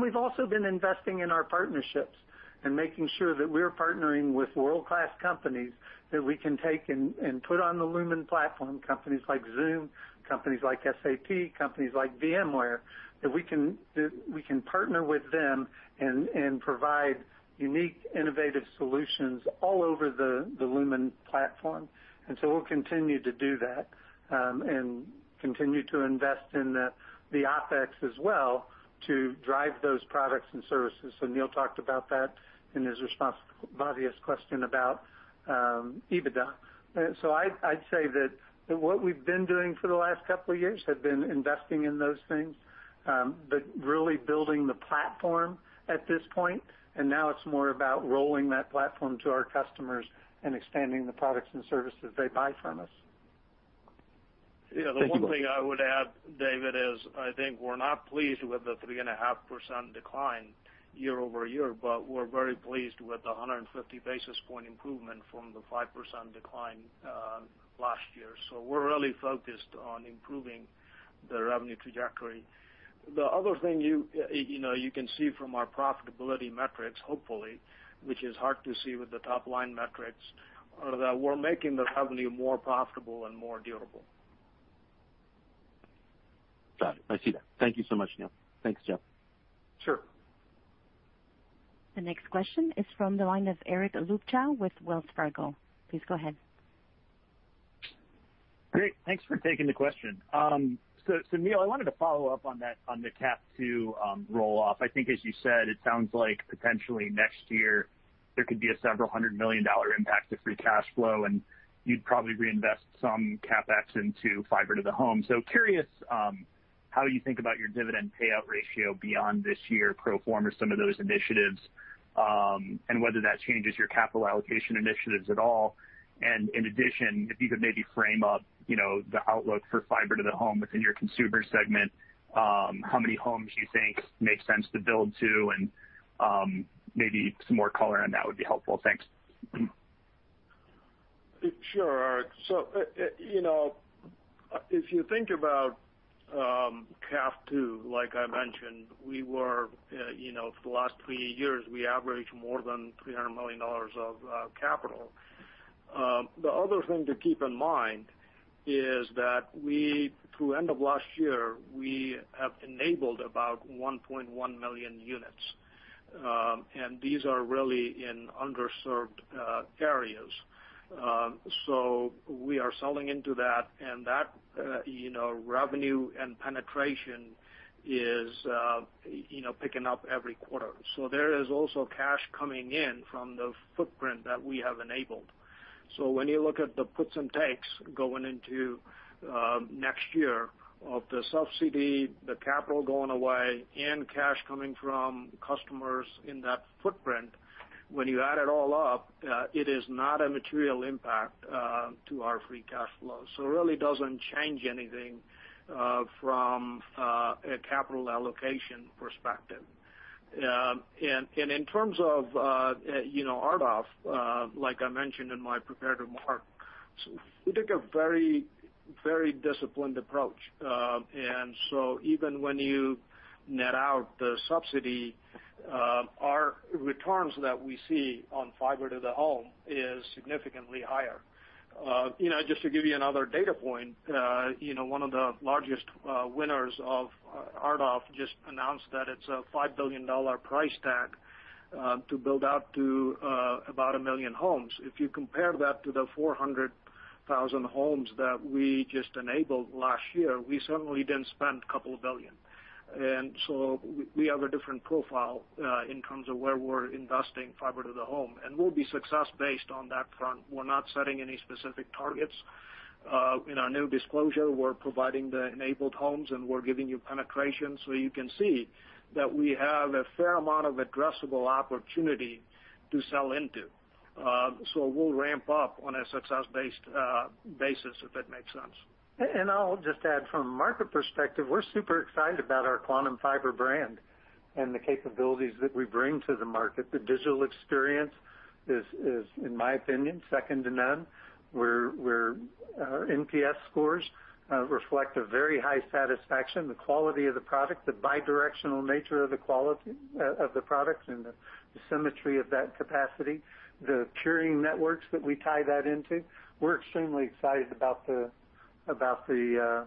We've also been investing in our partnerships and making sure that we're partnering with world-class companies that we can take and put on the Lumen Platform, companies like Zoom, companies like SAP, companies like VMware, that we can partner with them and provide unique, innovative solutions all over the Lumen Platform. We'll continue to do that and continue to invest in the OpEx as well to drive those products and services. Neel talked about that in his response, Batya's question about EBITDA. I'd say that what we've been doing for the last couple of years has been investing in those things, but really building the platform at this point. Now it's more about rolling that platform to our customers and expanding the products and services they buy from us. Yeah. The one thing I would add, David, is I think we're not pleased with the 3.5% decline year-over-year, but we're very pleased with the 150 basis point improvement from the 5% decline last year. We're really focused on improving the revenue trajectory. The other thing you can see from our profitability metrics, hopefully, which is hard to see with the top-line metrics, is that we're making the revenue more profitable and more durable. Got it. I see that. Thank you so much, Neel. Thanks, Jeff. Sure. The next question is from the line of Eric Luebchow with Wells Fargo. Please go ahead. Great. Thanks for taking the question. Neel, I wanted to follow up on the CAF II roll-off. I think, as you said, it sounds like potentially next year, there could be a several hundred million dollar impact to free cash flow, and you'd probably reinvest some CapEx into fiber to the home. Curious how you think about your dividend payout ratio beyond this year, pro forma, some of those initiatives, and whether that changes your capital allocation initiatives at all. In addition, if you could maybe frame up the outlook for fiber to the home within your Consumer segment, how many homes you think make sense to build to, and maybe some more color on that would be helpful. Thanks. Sure, Eric. If you think about CAF II, like I mentioned, for the last three years, we averaged more than $300 million of capital. The other thing to keep in mind is that through the end of last year, we have enabled about 1.1 million units. These are really in underserved areas. We are selling into that, and that revenue and penetration is picking up every quarter. There is also cash coming in from the footprint that we have enabled. When you look at the puts and takes going into next year of the subsidy, the capital going away, and cash coming from customers in that footprint, when you add it all up, it is not a material impact to our free cash flow. It really does not change anything from a capital allocation perspective. In terms of RDOF, like I mentioned in my prepared remark, we took a very, very disciplined approach. Even when you net out the subsidy, our returns that we see on fiber to the home is significantly higher. Just to give you another data point, one of the largest winners of RDOF just announced that it is a $5 billion price tag to build out to about a million homes. If you compare that to the 400,000 homes that we just enabled last year, we certainly did not spend a couple of billion. We have a different profile in terms of where we are investing fiber to the home. We will be success-based on that front. We are not setting any specific targets. In our new disclosure, we are providing the enabled homes, and we are giving you penetration so you can see that we have a fair amount of addressable opportunity to sell into. We will ramp up on a success-based basis, if that makes sense. I'll just add, from a market perspective, we're super excited about our Quantum Fiber brand and the capabilities that we bring to the market. The digital experience is, in my opinion, second to none. Our NPS scores reflect a very high satisfaction. The quality of the product, the bidirectional nature of the quality of the product, and the symmetry of that capacity, the curing networks that we tie that into, we're extremely excited about the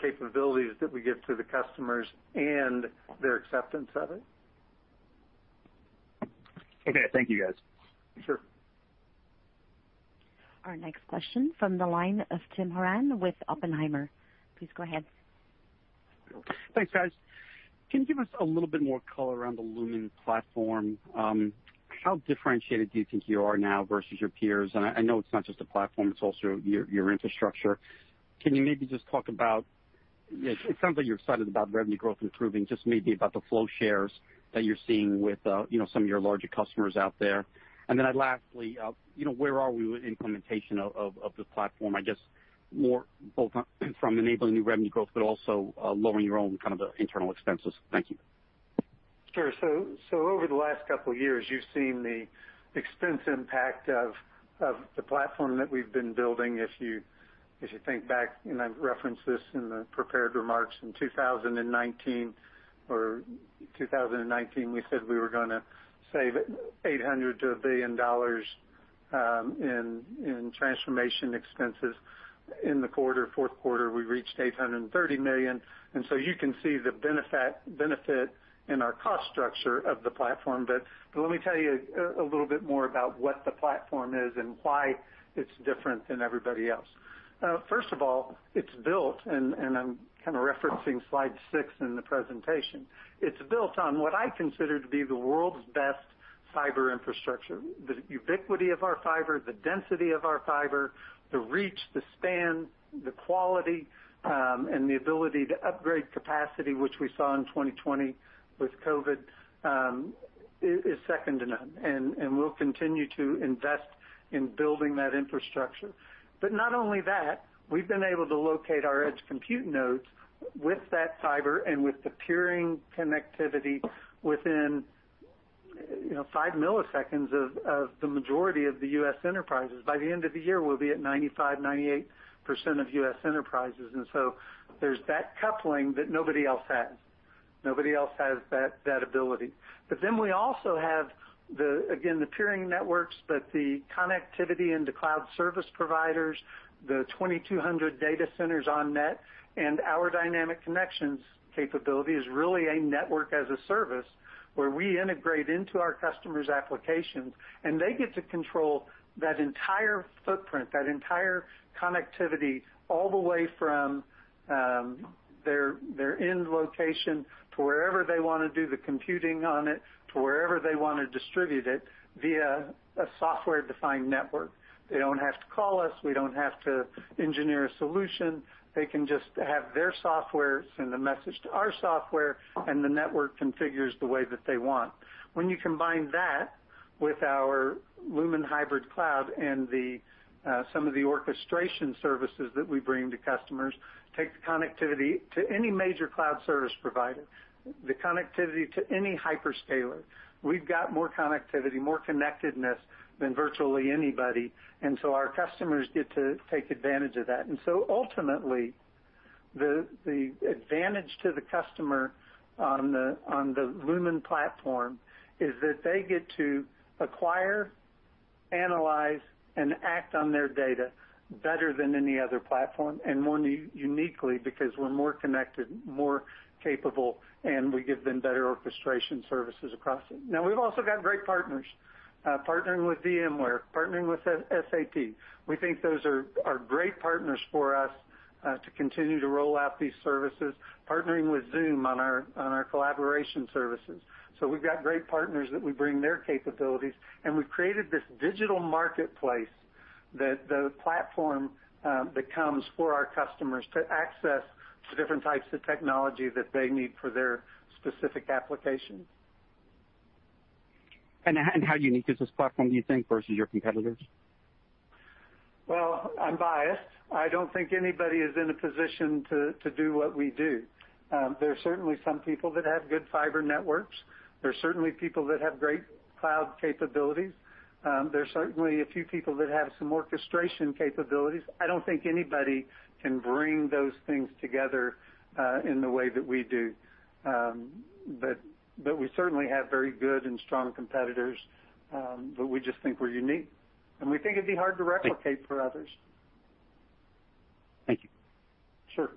capabilities that we give to the customers and their acceptance of it. Okay. Thank you, guys. Sure. Our next question from the line of Tim Horan with Oppenheimer. Please go ahead. Thanks, guys. Can you give us a little bit more color around the Lumen Platform? How differentiated do you think you are now versus your peers? I know it's not just a platform. It's also your infrastructure. Can you maybe just talk about it sounds like you're excited about revenue growth improving, just maybe about the flow shares that you're seeing with some of your larger customers out there. Lastly, where are we with implementation of the platform? I guess more both from enabling new revenue growth, but also lowering your own kind of internal expenses. Thank you. Sure. Over the last couple of years, you've seen the extensive impact of the platform that we've been building. If you think back, and I've referenced this in the prepared remarks in 2019, we said we were going to save $800 million in transformation expenses. In the fourth quarter, we reached $830 million. You can see the benefit in our cost structure of the platform. Let me tell you a little bit more about what the platform is and why it's different than everybody else. First of all, it's built, and I'm kind of referencing slide 6 in the presentation. It's built on what I consider to be the world's best fiber infrastructure. The ubiquity of our fiber, the density of our fiber, the reach, the span, the quality, and the ability to upgrade capacity, which we saw in 2020 with COVID, is second to none. We will continue to invest in building that infrastructure. Not only that, we've been able to locate our Edge compute nodes with that fiber and with the curing connectivity within 5 ms of the majority of the U.S. Enterprises. By the end of the year, we'll be at 95%-98% of U.S. Enterprises. There is that coupling that nobody else has. Nobody else has that ability. We also have, again, the curing networks, the connectivity into cloud service providers, the 2,200 data centers on net, and our Dynamic Connections capability is really a network as a service where we integrate into our customers' applications. They get to control that entire footprint, that entire connectivity, all the way from their end location to wherever they want to do the computing on it, to wherever they want to distribute it via a software-defined network. They do not have to call us. We do not have to engineer a solution. They can just have their software send a message to our software, and the network configures the way that they want. When you combine that with our Lumen Hybrid Cloud and some of the orchestration services that we bring to customers, take the connectivity to any major cloud service provider, the connectivity to any hyperscaler, we have more connectivity, more connectedness than virtually anybody. Our customers get to take advantage of that. Ultimately, the advantage to the customer on the Lumen Platform is that they get to acquire, analyze, and act on their data better than any other platform, and more uniquely because we are more connected, more capable, and we give them better orchestration services across it. We have also got great partners, partnering with VMware, partnering with SAP. We think those are great partners for us to continue to roll out these services, partnering with Zoom on our collaboration services. We have great partners that we bring their capabilities. We have created this digital marketplace that the platform becomes for our customers to access the different types of technology that they need for their specific application. How unique is this platform, do you think, versus your competitors? I am biased. I do not think anybody is in a position to do what we do. There are certainly some people that have good fiber networks. There are certainly people that have great cloud capabilities. There are certainly a few people that have some orchestration capabilities. I do not think anybody can bring those things together in the way that we do. We certainly have very good and strong competitors, but we just think we are unique. We think it would be hard to replicate for others. Thank you. Sure.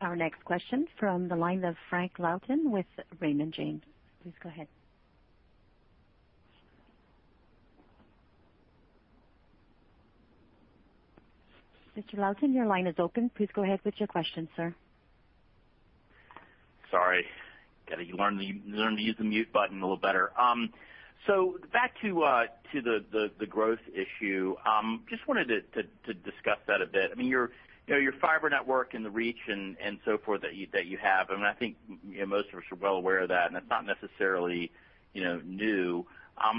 Our next question from the line of Frank Louthan with Raymond James. Please go ahead. Mr. Loughton, your line is open. Please go ahead with your question, sir. Sorry. Got to learn to use the mute button a little better. Back to the growth issue, just wanted to discuss that a bit. I mean, your fiber network and the reach and so forth that you have, and I think most of us are well aware of that, and it's not necessarily new.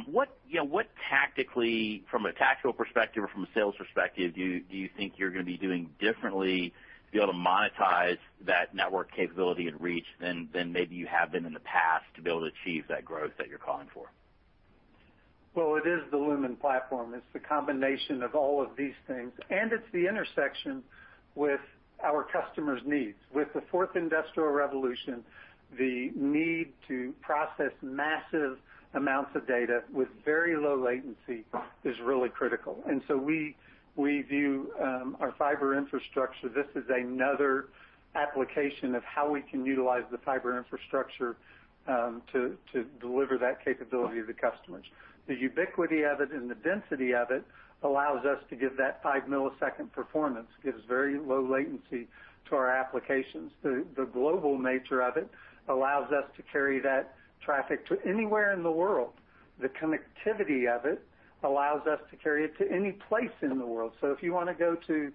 What tactically, from a tactical perspective or from a sales perspective, do you think you're going to be doing differently to be able to monetize that network capability and reach than maybe you have been in the past to be able to achieve that growth that you're calling for? It is the Lumen Platform. It's the combination of all of these things. It's the intersection with our customers' needs. With the 4th Industrial Revolution, the need to process massive amounts of data with very low latency is really critical. We view our fiber infrastructure. This is another application of how we can utilize the fiber infrastructure to deliver that capability to the customers. The ubiquity of it and the density of it allows us to give that 5 ms performance. It gives very low latency to our applications. The global nature of it allows us to carry that traffic to anywhere in the world. The connectivity of it allows us to carry it to any place in the world. If you want to go to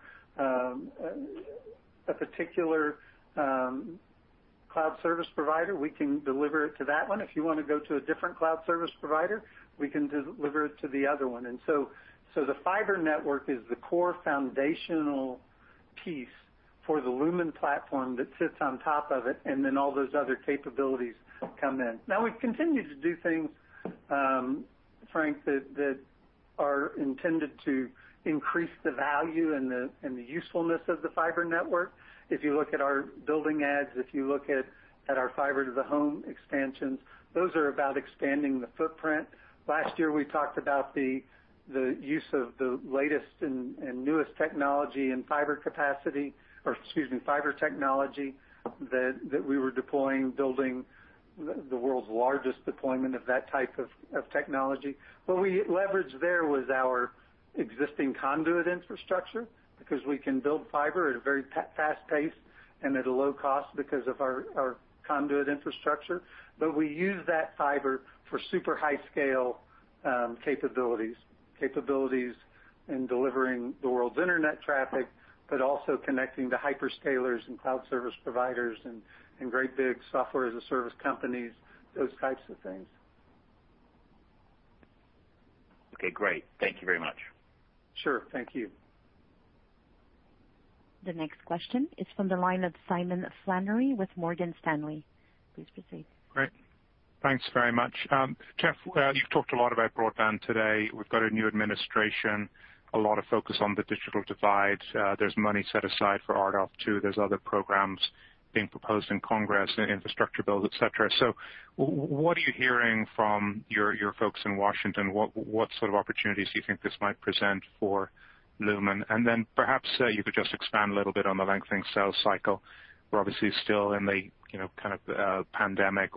a particular cloud service provider, we can deliver it to that one. If you want to go to a different cloud service provider, we can deliver it to the other one. The fiber network is the core foundational piece for the Lumen Platform that sits on top of it, and then all those other capabilities come in. We have continued to do things, Frank, that are intended to increase the value and the usefulness of the fiber network. If you look at our building ads, if you look at our fiber-to-the-home expansions, those are about expanding the footprint. Last year, we talked about the use of the latest and newest technology in fiber capacity, or excuse me, fiber technology that we were deploying, building the world's largest deployment of that type of technology. What we leveraged there was our existing conduit infrastructure because we can build fiber at a very fast pace and at a low cost because of our conduit infrastructure. But we use that fiber for super high-scale capabilities, capabilities in delivering the world's internet traffic, but also connecting to hyperscalers and cloud service providers and great big software as a service companies, those types of things. Okay. Great. Thank you very much. Sure. Thank you. The next question is from the line of Simon Flannery with Morgan Stanley. Please proceed. Great. Thanks very much. Jeff, you've talked a lot about broadband today. We've got a new administration, a lot of focus on the digital divide. There's money set aside for RDoF too. There's other programs being proposed in Congress, infrastructure bills, etc. What are you hearing from your folks in Washington? What sort of opportunities do you think this might present for Lumen? Perhaps you could just expand a little bit on the lengthening sales cycle. We're obviously still in the kind of pandemic.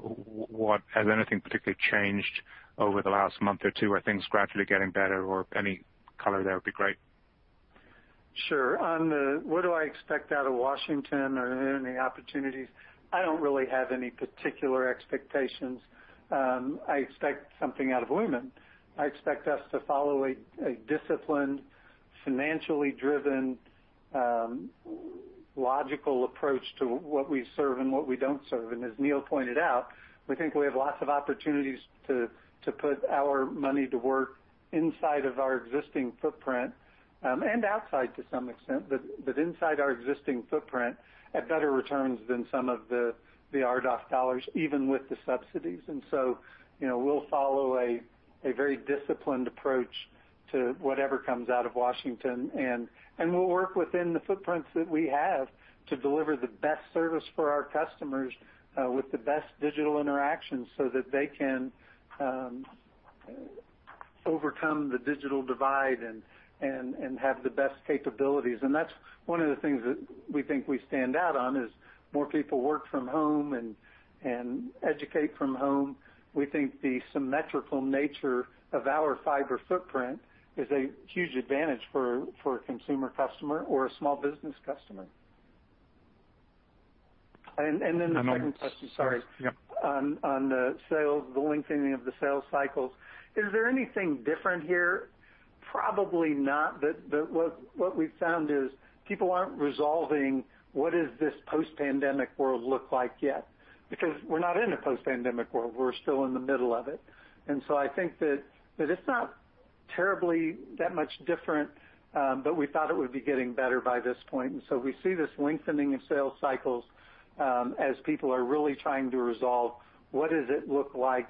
Has anything particularly changed over the last month or two? Are things gradually getting better? Any color there would be great. Sure. What do I expect out of Washington or any opportunities? I do not really have any particular expectations. I expect something out of Lumen. I expect us to follow a disciplined, financially driven, logical approach to what we serve and what we do not serve. As Neel pointed out, we think we have lots of opportunities to put our money to work inside of our existing footprint and outside to some extent, but inside our existing footprint at better returns than some of the RDOF dollars, even with the subsidies. We will follow a very disciplined approach to whatever comes out of Washington. We will work within the footprints that we have to deliver the best service for our customers with the best digital interaction so that they can overcome the digital divide and have the best capabilities. That is one of the things that we think we stand out on as more people work from home and educate from home. We think the symmetrical nature of our fiber footprint is a huge advantage for a Consumer customer or a Small Business customer. The second question, sorry. On the lengthening of the sales cycles, is there anything different here? Probably not. What we have found is people are not resolving what does this post-pandemic world look like yet, because we are not in a post-pandemic world. We are still in the middle of it. I think that it's not terribly that much different, but we thought it would be getting better by this point. We see this lengthening of sales cycles as people are really trying to resolve what does it look like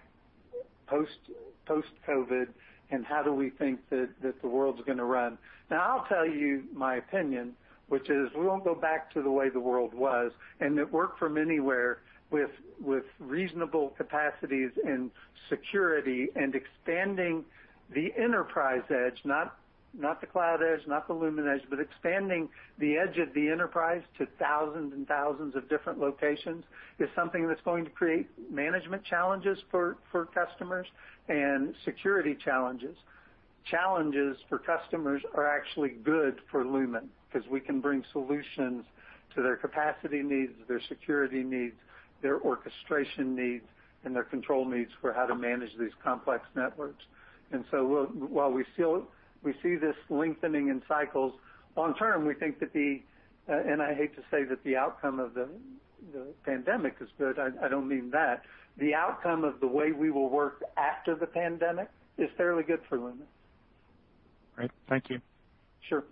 post-COVID, and how do we think that the world's going to run? I'll tell you my opinion, which is we won't go back to the way the world was. It worked from anywhere with reasonable capacities and security and expanding the enterprise edge, not the Cloud Edge, not the Lumen Edge, but expanding the edge of the enterprise to thousands and thousands of different locations is something that's going to create management challenges for customers and security challenges. Challenges for customers are actually good for Lumen because we can bring solutions to their capacity needs, their security needs, their orchestration needs, and their control needs for how to manage these complex networks. While we see this lengthening in cycles, long-term, we think that the—and I hate to say that the outcome of the pandemic is good. I do not mean that. The outcome of the way we will work after the pandemic is fairly good for Lumen. Great. Thank you. Sure.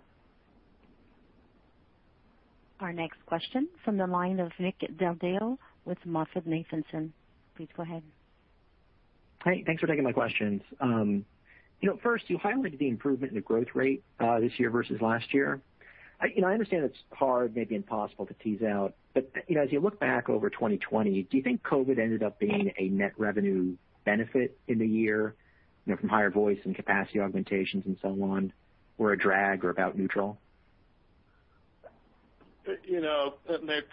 Our next question from the line of Nick Del Deo with MoffettNathanson. Please go ahead. Hi. Thanks for taking my questions. First, you highlighted the improvement in the growth rate this year versus last year. I understand it is hard, maybe impossible to tease out. As you look back over 2020, do you think COVID ended up being a net revenue benefit in the year from higher voice and capacity augmentations and so on, or a drag, or about neutral?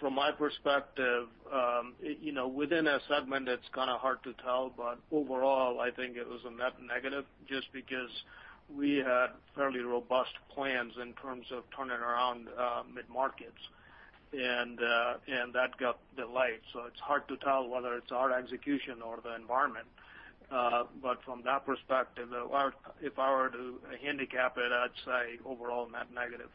From my perspective, within a segment, it's kind of hard to tell. Overall, I think it was a net negative just because we had fairly robust plans in terms of turning around mid-markets. That got delayed. It's hard to tell whether it's our execution or the environment. From that perspective, if I were to handicap it, I'd say overall net negative.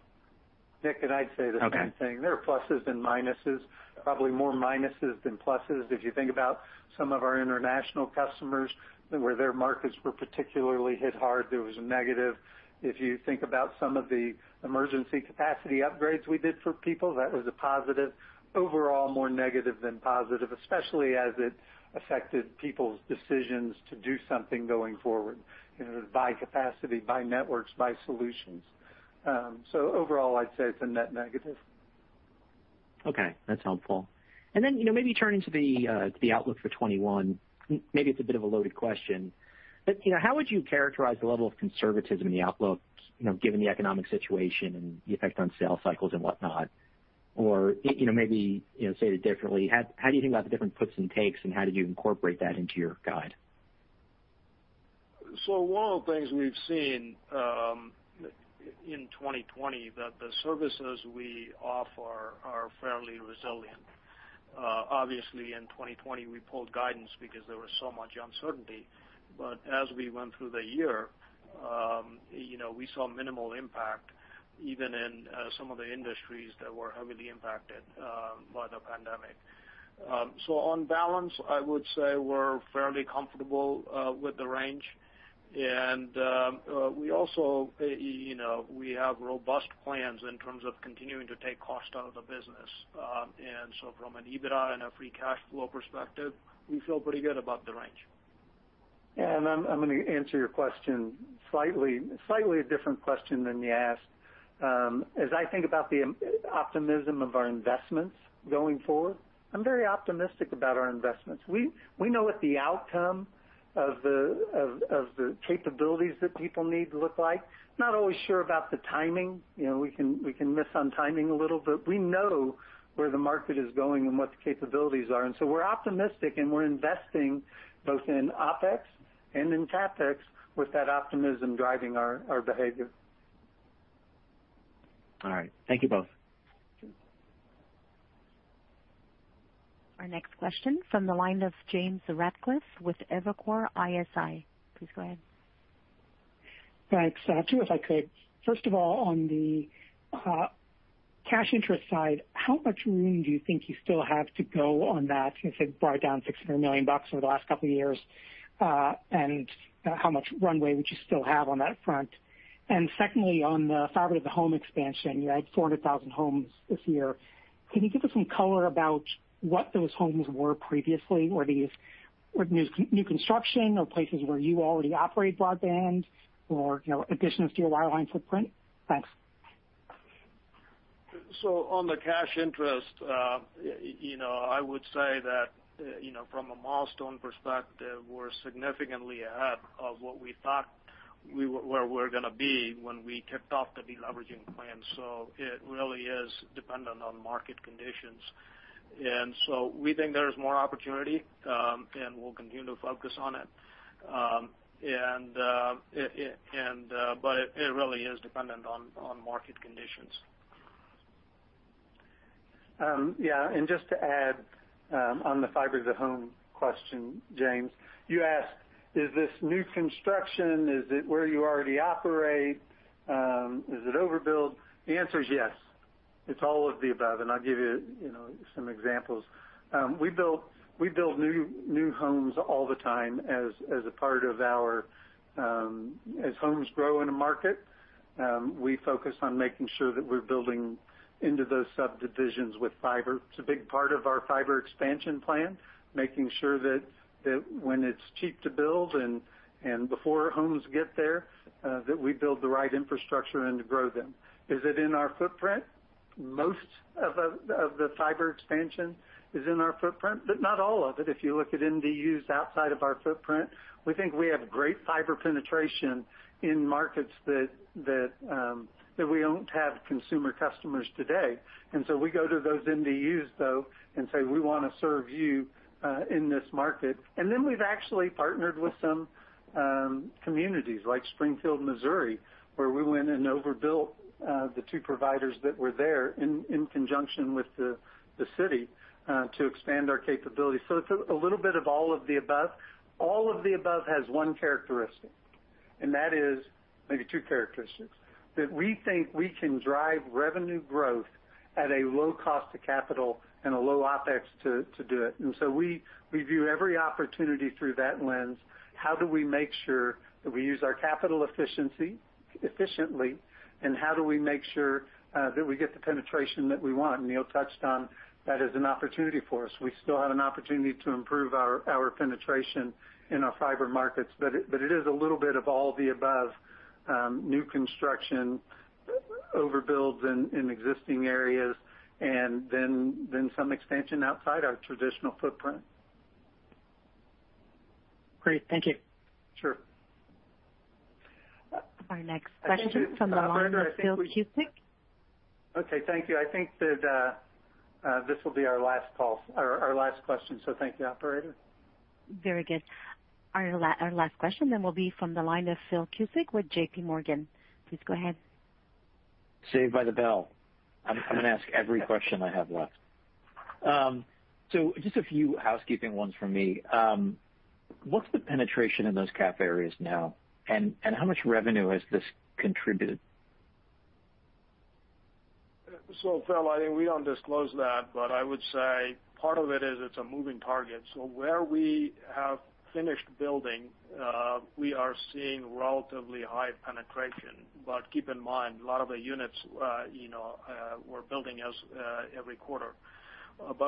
Nick, I'd say the same thing. There are pluses and minuses, probably more minuses than pluses. If you think about some of our international customers, where their markets were particularly hit hard, there was a negative. If you think about some of the emergency capacity upgrades we did for people, that was a positive. Overall, more negative than positive, especially as it affected people's decisions to do something going forward, buy capacity, buy networks, buy solutions. Overall, I'd say it's a net negative. Okay. That's helpful. Maybe turning to the outlook for 2021, maybe it's a bit of a loaded question. How would you characterize the level of conservatism in the outlook given the economic situation and the effect on sales cycles and whatnot? Maybe say it differently. How do you think about the different puts and takes, and how did you incorporate that into your guide? One of the things we've seen in 2020, the services we offer are fairly resilient. Obviously, in 2020, we pulled guidance because there was so much uncertainty. As we went through the year, we saw minimal impact, even in some of the industries that were heavily impacted by the pandemic. On balance, I would say we're fairly comfortable with the range. We also have robust plans in terms of continuing to take cost out of the business. From an EBITDA and a free cash flow perspective, we feel pretty good about the range. Yeah. I'm going to answer your question, slightly a different question than you asked. As I think about the optimism of our investments going forward, I'm very optimistic about our investments. We know what the outcome of the capabilities that people need look like. Not always sure about the timing. We can miss on timing a little, but we know where the market is going and what the capabilities are. We're optimistic, and we're investing both in OpEx and in CapEx with that optimism driving our behavior. All right. Thank you both. Our next question from the line of James Ratcliffe with Evercore ISI. Please go ahead. Hi. Stop you if I could. First of all, on the cash interest side, how much room do you think you still have to go on that? You said brought down $600 million over the last couple of years. How much runway would you still have on that front? Secondly, on the fiber to the home expansion, you had 400,000 homes this year. Can you give us some color about what those homes were previously? Were these new construction or places where you already operate broadband or additions to your wireline footprint? Thanks. On the cash interest, I would say that from a milestone perspective, we're significantly ahead of what we thought we were going to be when we kicked off the deleveraging plan. It really is dependent on market conditions. We think there's more opportunity, and we'll continue to focus on it. It really is dependent on market conditions. Yeah. Just to add on the fiber to the home question, James, you asked, is this new construction? Is it where you already operate? Is it overbuild? The answer is yes. It's all of the above. I'll give you some examples. We build new homes all the time as a part of our as homes grow in a market, we focus on making sure that we're building into those subdivisions with fiber. It's a big part of our fiber expansion plan, making sure that when it's cheap to build and before homes get there, that we build the right infrastructure and grow them. Is it in our footprint? Most of the fiber expansion is in our footprint, but not all of it. If you look at NDUs outside of our footprint, we think we have great fiber penetration in markets that we don't have Consumer customers today. We go to those NDUs, though, and say, "We want to serve you in this market." We've actually partnered with some communities like Springfield, Missouri, where we went and overbuilt the two providers that were there in conjunction with the city to expand our capability. It's a little bit of all of the above. All of the above has one characteristic. That is, maybe two characteristics, that we think we can drive revenue growth at a low cost to capital and a low OpEx to do it. We view every opportunity through that lens. How do we make sure that we use our capital efficiently, and how do we make sure that we get the penetration that we want? Neel touched on that as an opportunity for us. We still have an opportunity to improve our penetration in our fiber markets. It is a little bit of all the above: new construction, overbuilds in existing areas, and then some expansion outside our traditional footprint. Great. Thank you. Sure. Our next question from the line of Phil Cusick. Okay. Thank you. I think that this will be our last call, our last question. Thank you, operator. Very good. Our last question then will be from the line of Phil Cusick with JPMorgan. Please go ahead. Saved by the bell. I'm going to ask every question I have left. Just a few housekeeping ones from me. What's the penetration in those CAF areas now? How much revenue has this contributed? Phil, I think we don't disclose that. I would say part of it is it's a moving target. Where we have finished building, we are seeing relatively high penetration. Keep in mind, a lot of the units we're building every quarter.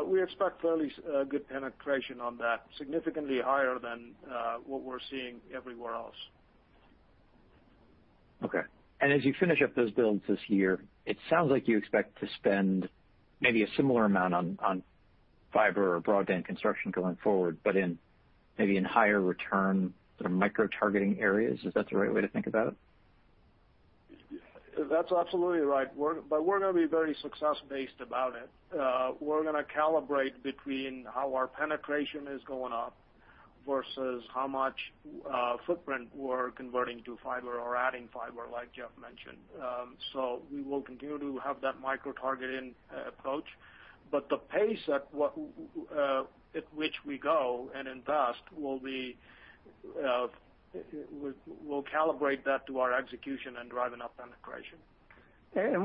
We expect fairly good penetration on that, significantly higher than what we're seeing everywhere else. Okay. As you finish up those builds this year, it sounds like you expect to spend maybe a similar amount on fiber or broadband construction going forward, but maybe in higher return micro-targeting areas. Is that the right way to think about it? That's absolutely right. We are going to be very success-based about it. We are going to calibrate between how our penetration is going up versus how much footprint we are converting to fiber or adding fiber, like Jeff mentioned. We will continue to have that micro-targeting approach. The pace at which we go and invest will calibrate that to our execution and drive enough penetration.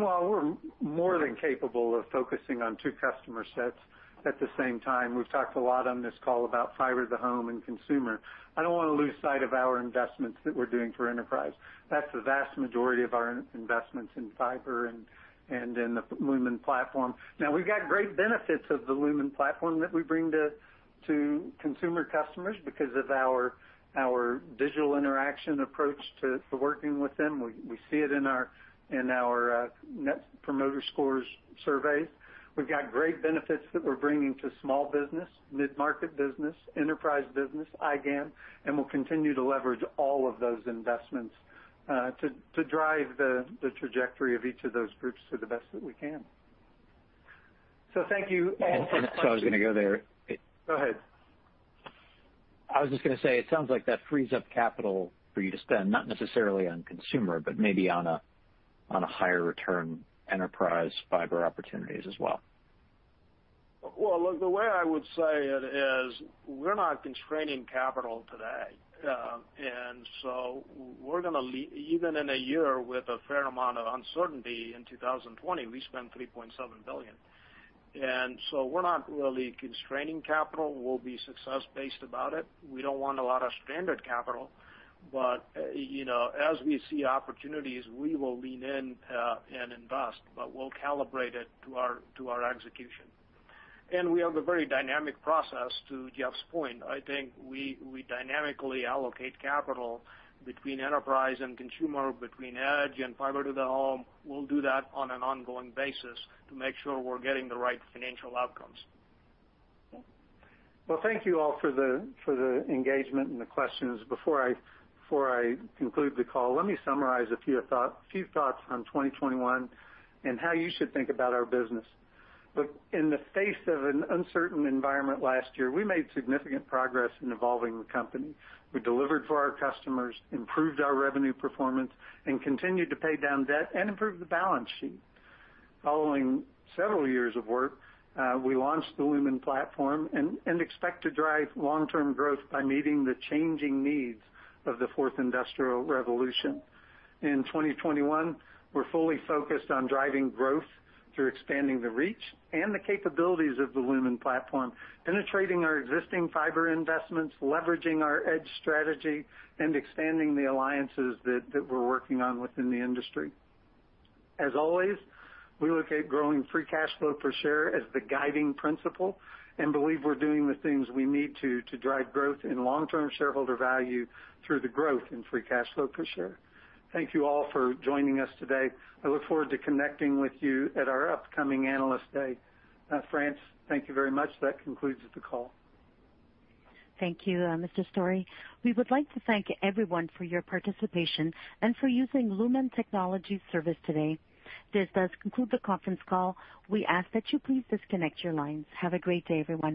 While we are more than capable of focusing on two customer sets at the same time, we have talked a lot on this call about fiber to the home and Consumer. I do not want to lose sight of our investments that we are doing for Enterprise. That is the vast majority of our investments in fiber and in the Lumen Platform. Now, we've got great benefits of the Lumen Platform that we bring to Consumer customers because of our digital interaction approach to working with them. We see it in our Net Promoter Score surveys. We've got great benefits that we're bringing to Small Business, Mid-Market business, Enterprise business, iGAM. We'll continue to leverage all of those investments to drive the trajectory of each of those groups to the best that we can. Thank you. I was going to go there. Go ahead. I was just going to say, it sounds like that frees up capital for you to spend, not necessarily on consumer, but maybe on a higher return Enterprise fiber opportunities as well. The way I would say it is we're not constraining capital today. We are going to, even in a year with a fair amount of uncertainty in 2020, we spent $3.7 billion. We are not really constraining capital. We will be success-based about it. We do not want a lot of standard capital. As we see opportunities, we will lean in and invest. We will calibrate it to our execution. We have a very dynamic process, to Jeff's point. I think we dynamically allocate capital between Enterprise and Consumer, between Edge and fiber to the home. We will do that on an ongoing basis to make sure we are getting the right financial outcomes. Thank you all for the engagement and the questions. Before I conclude the call, let me summarize a few thoughts on 2021 and how you should think about our business. Look, in the face of an uncertain environment last year, we made significant progress in evolving the company. We delivered for our customers, improved our revenue performance, and continued to pay down debt and improve the balance sheet. Following several years of work, we launched the Lumen Platform and expect to drive long-term growth by meeting the changing needs of the 4th Industrial Revolution. In 2021, we're fully focused on driving growth through expanding the reach and the capabilities of the Lumen Platform, penetrating our existing fiber investments, leveraging our edge strategy, and expanding the alliances that we're working on within the industry. As always, we locate growing free cash flow per share as the guiding principle and believe we're doing the things we need to to drive growth in long-term shareholder value through the growth in free cash flow per share. Thank you all for joining us today. I look forward to connecting with you at our upcoming analyst day. France, thank you very much. That concludes the call. Thank you, Mr. Storey. We would like to thank everyone for your participation and for using Lumen Technologies service today. This does conclude the conference call. We ask that you please disconnect your lines. Have a great day, everyone.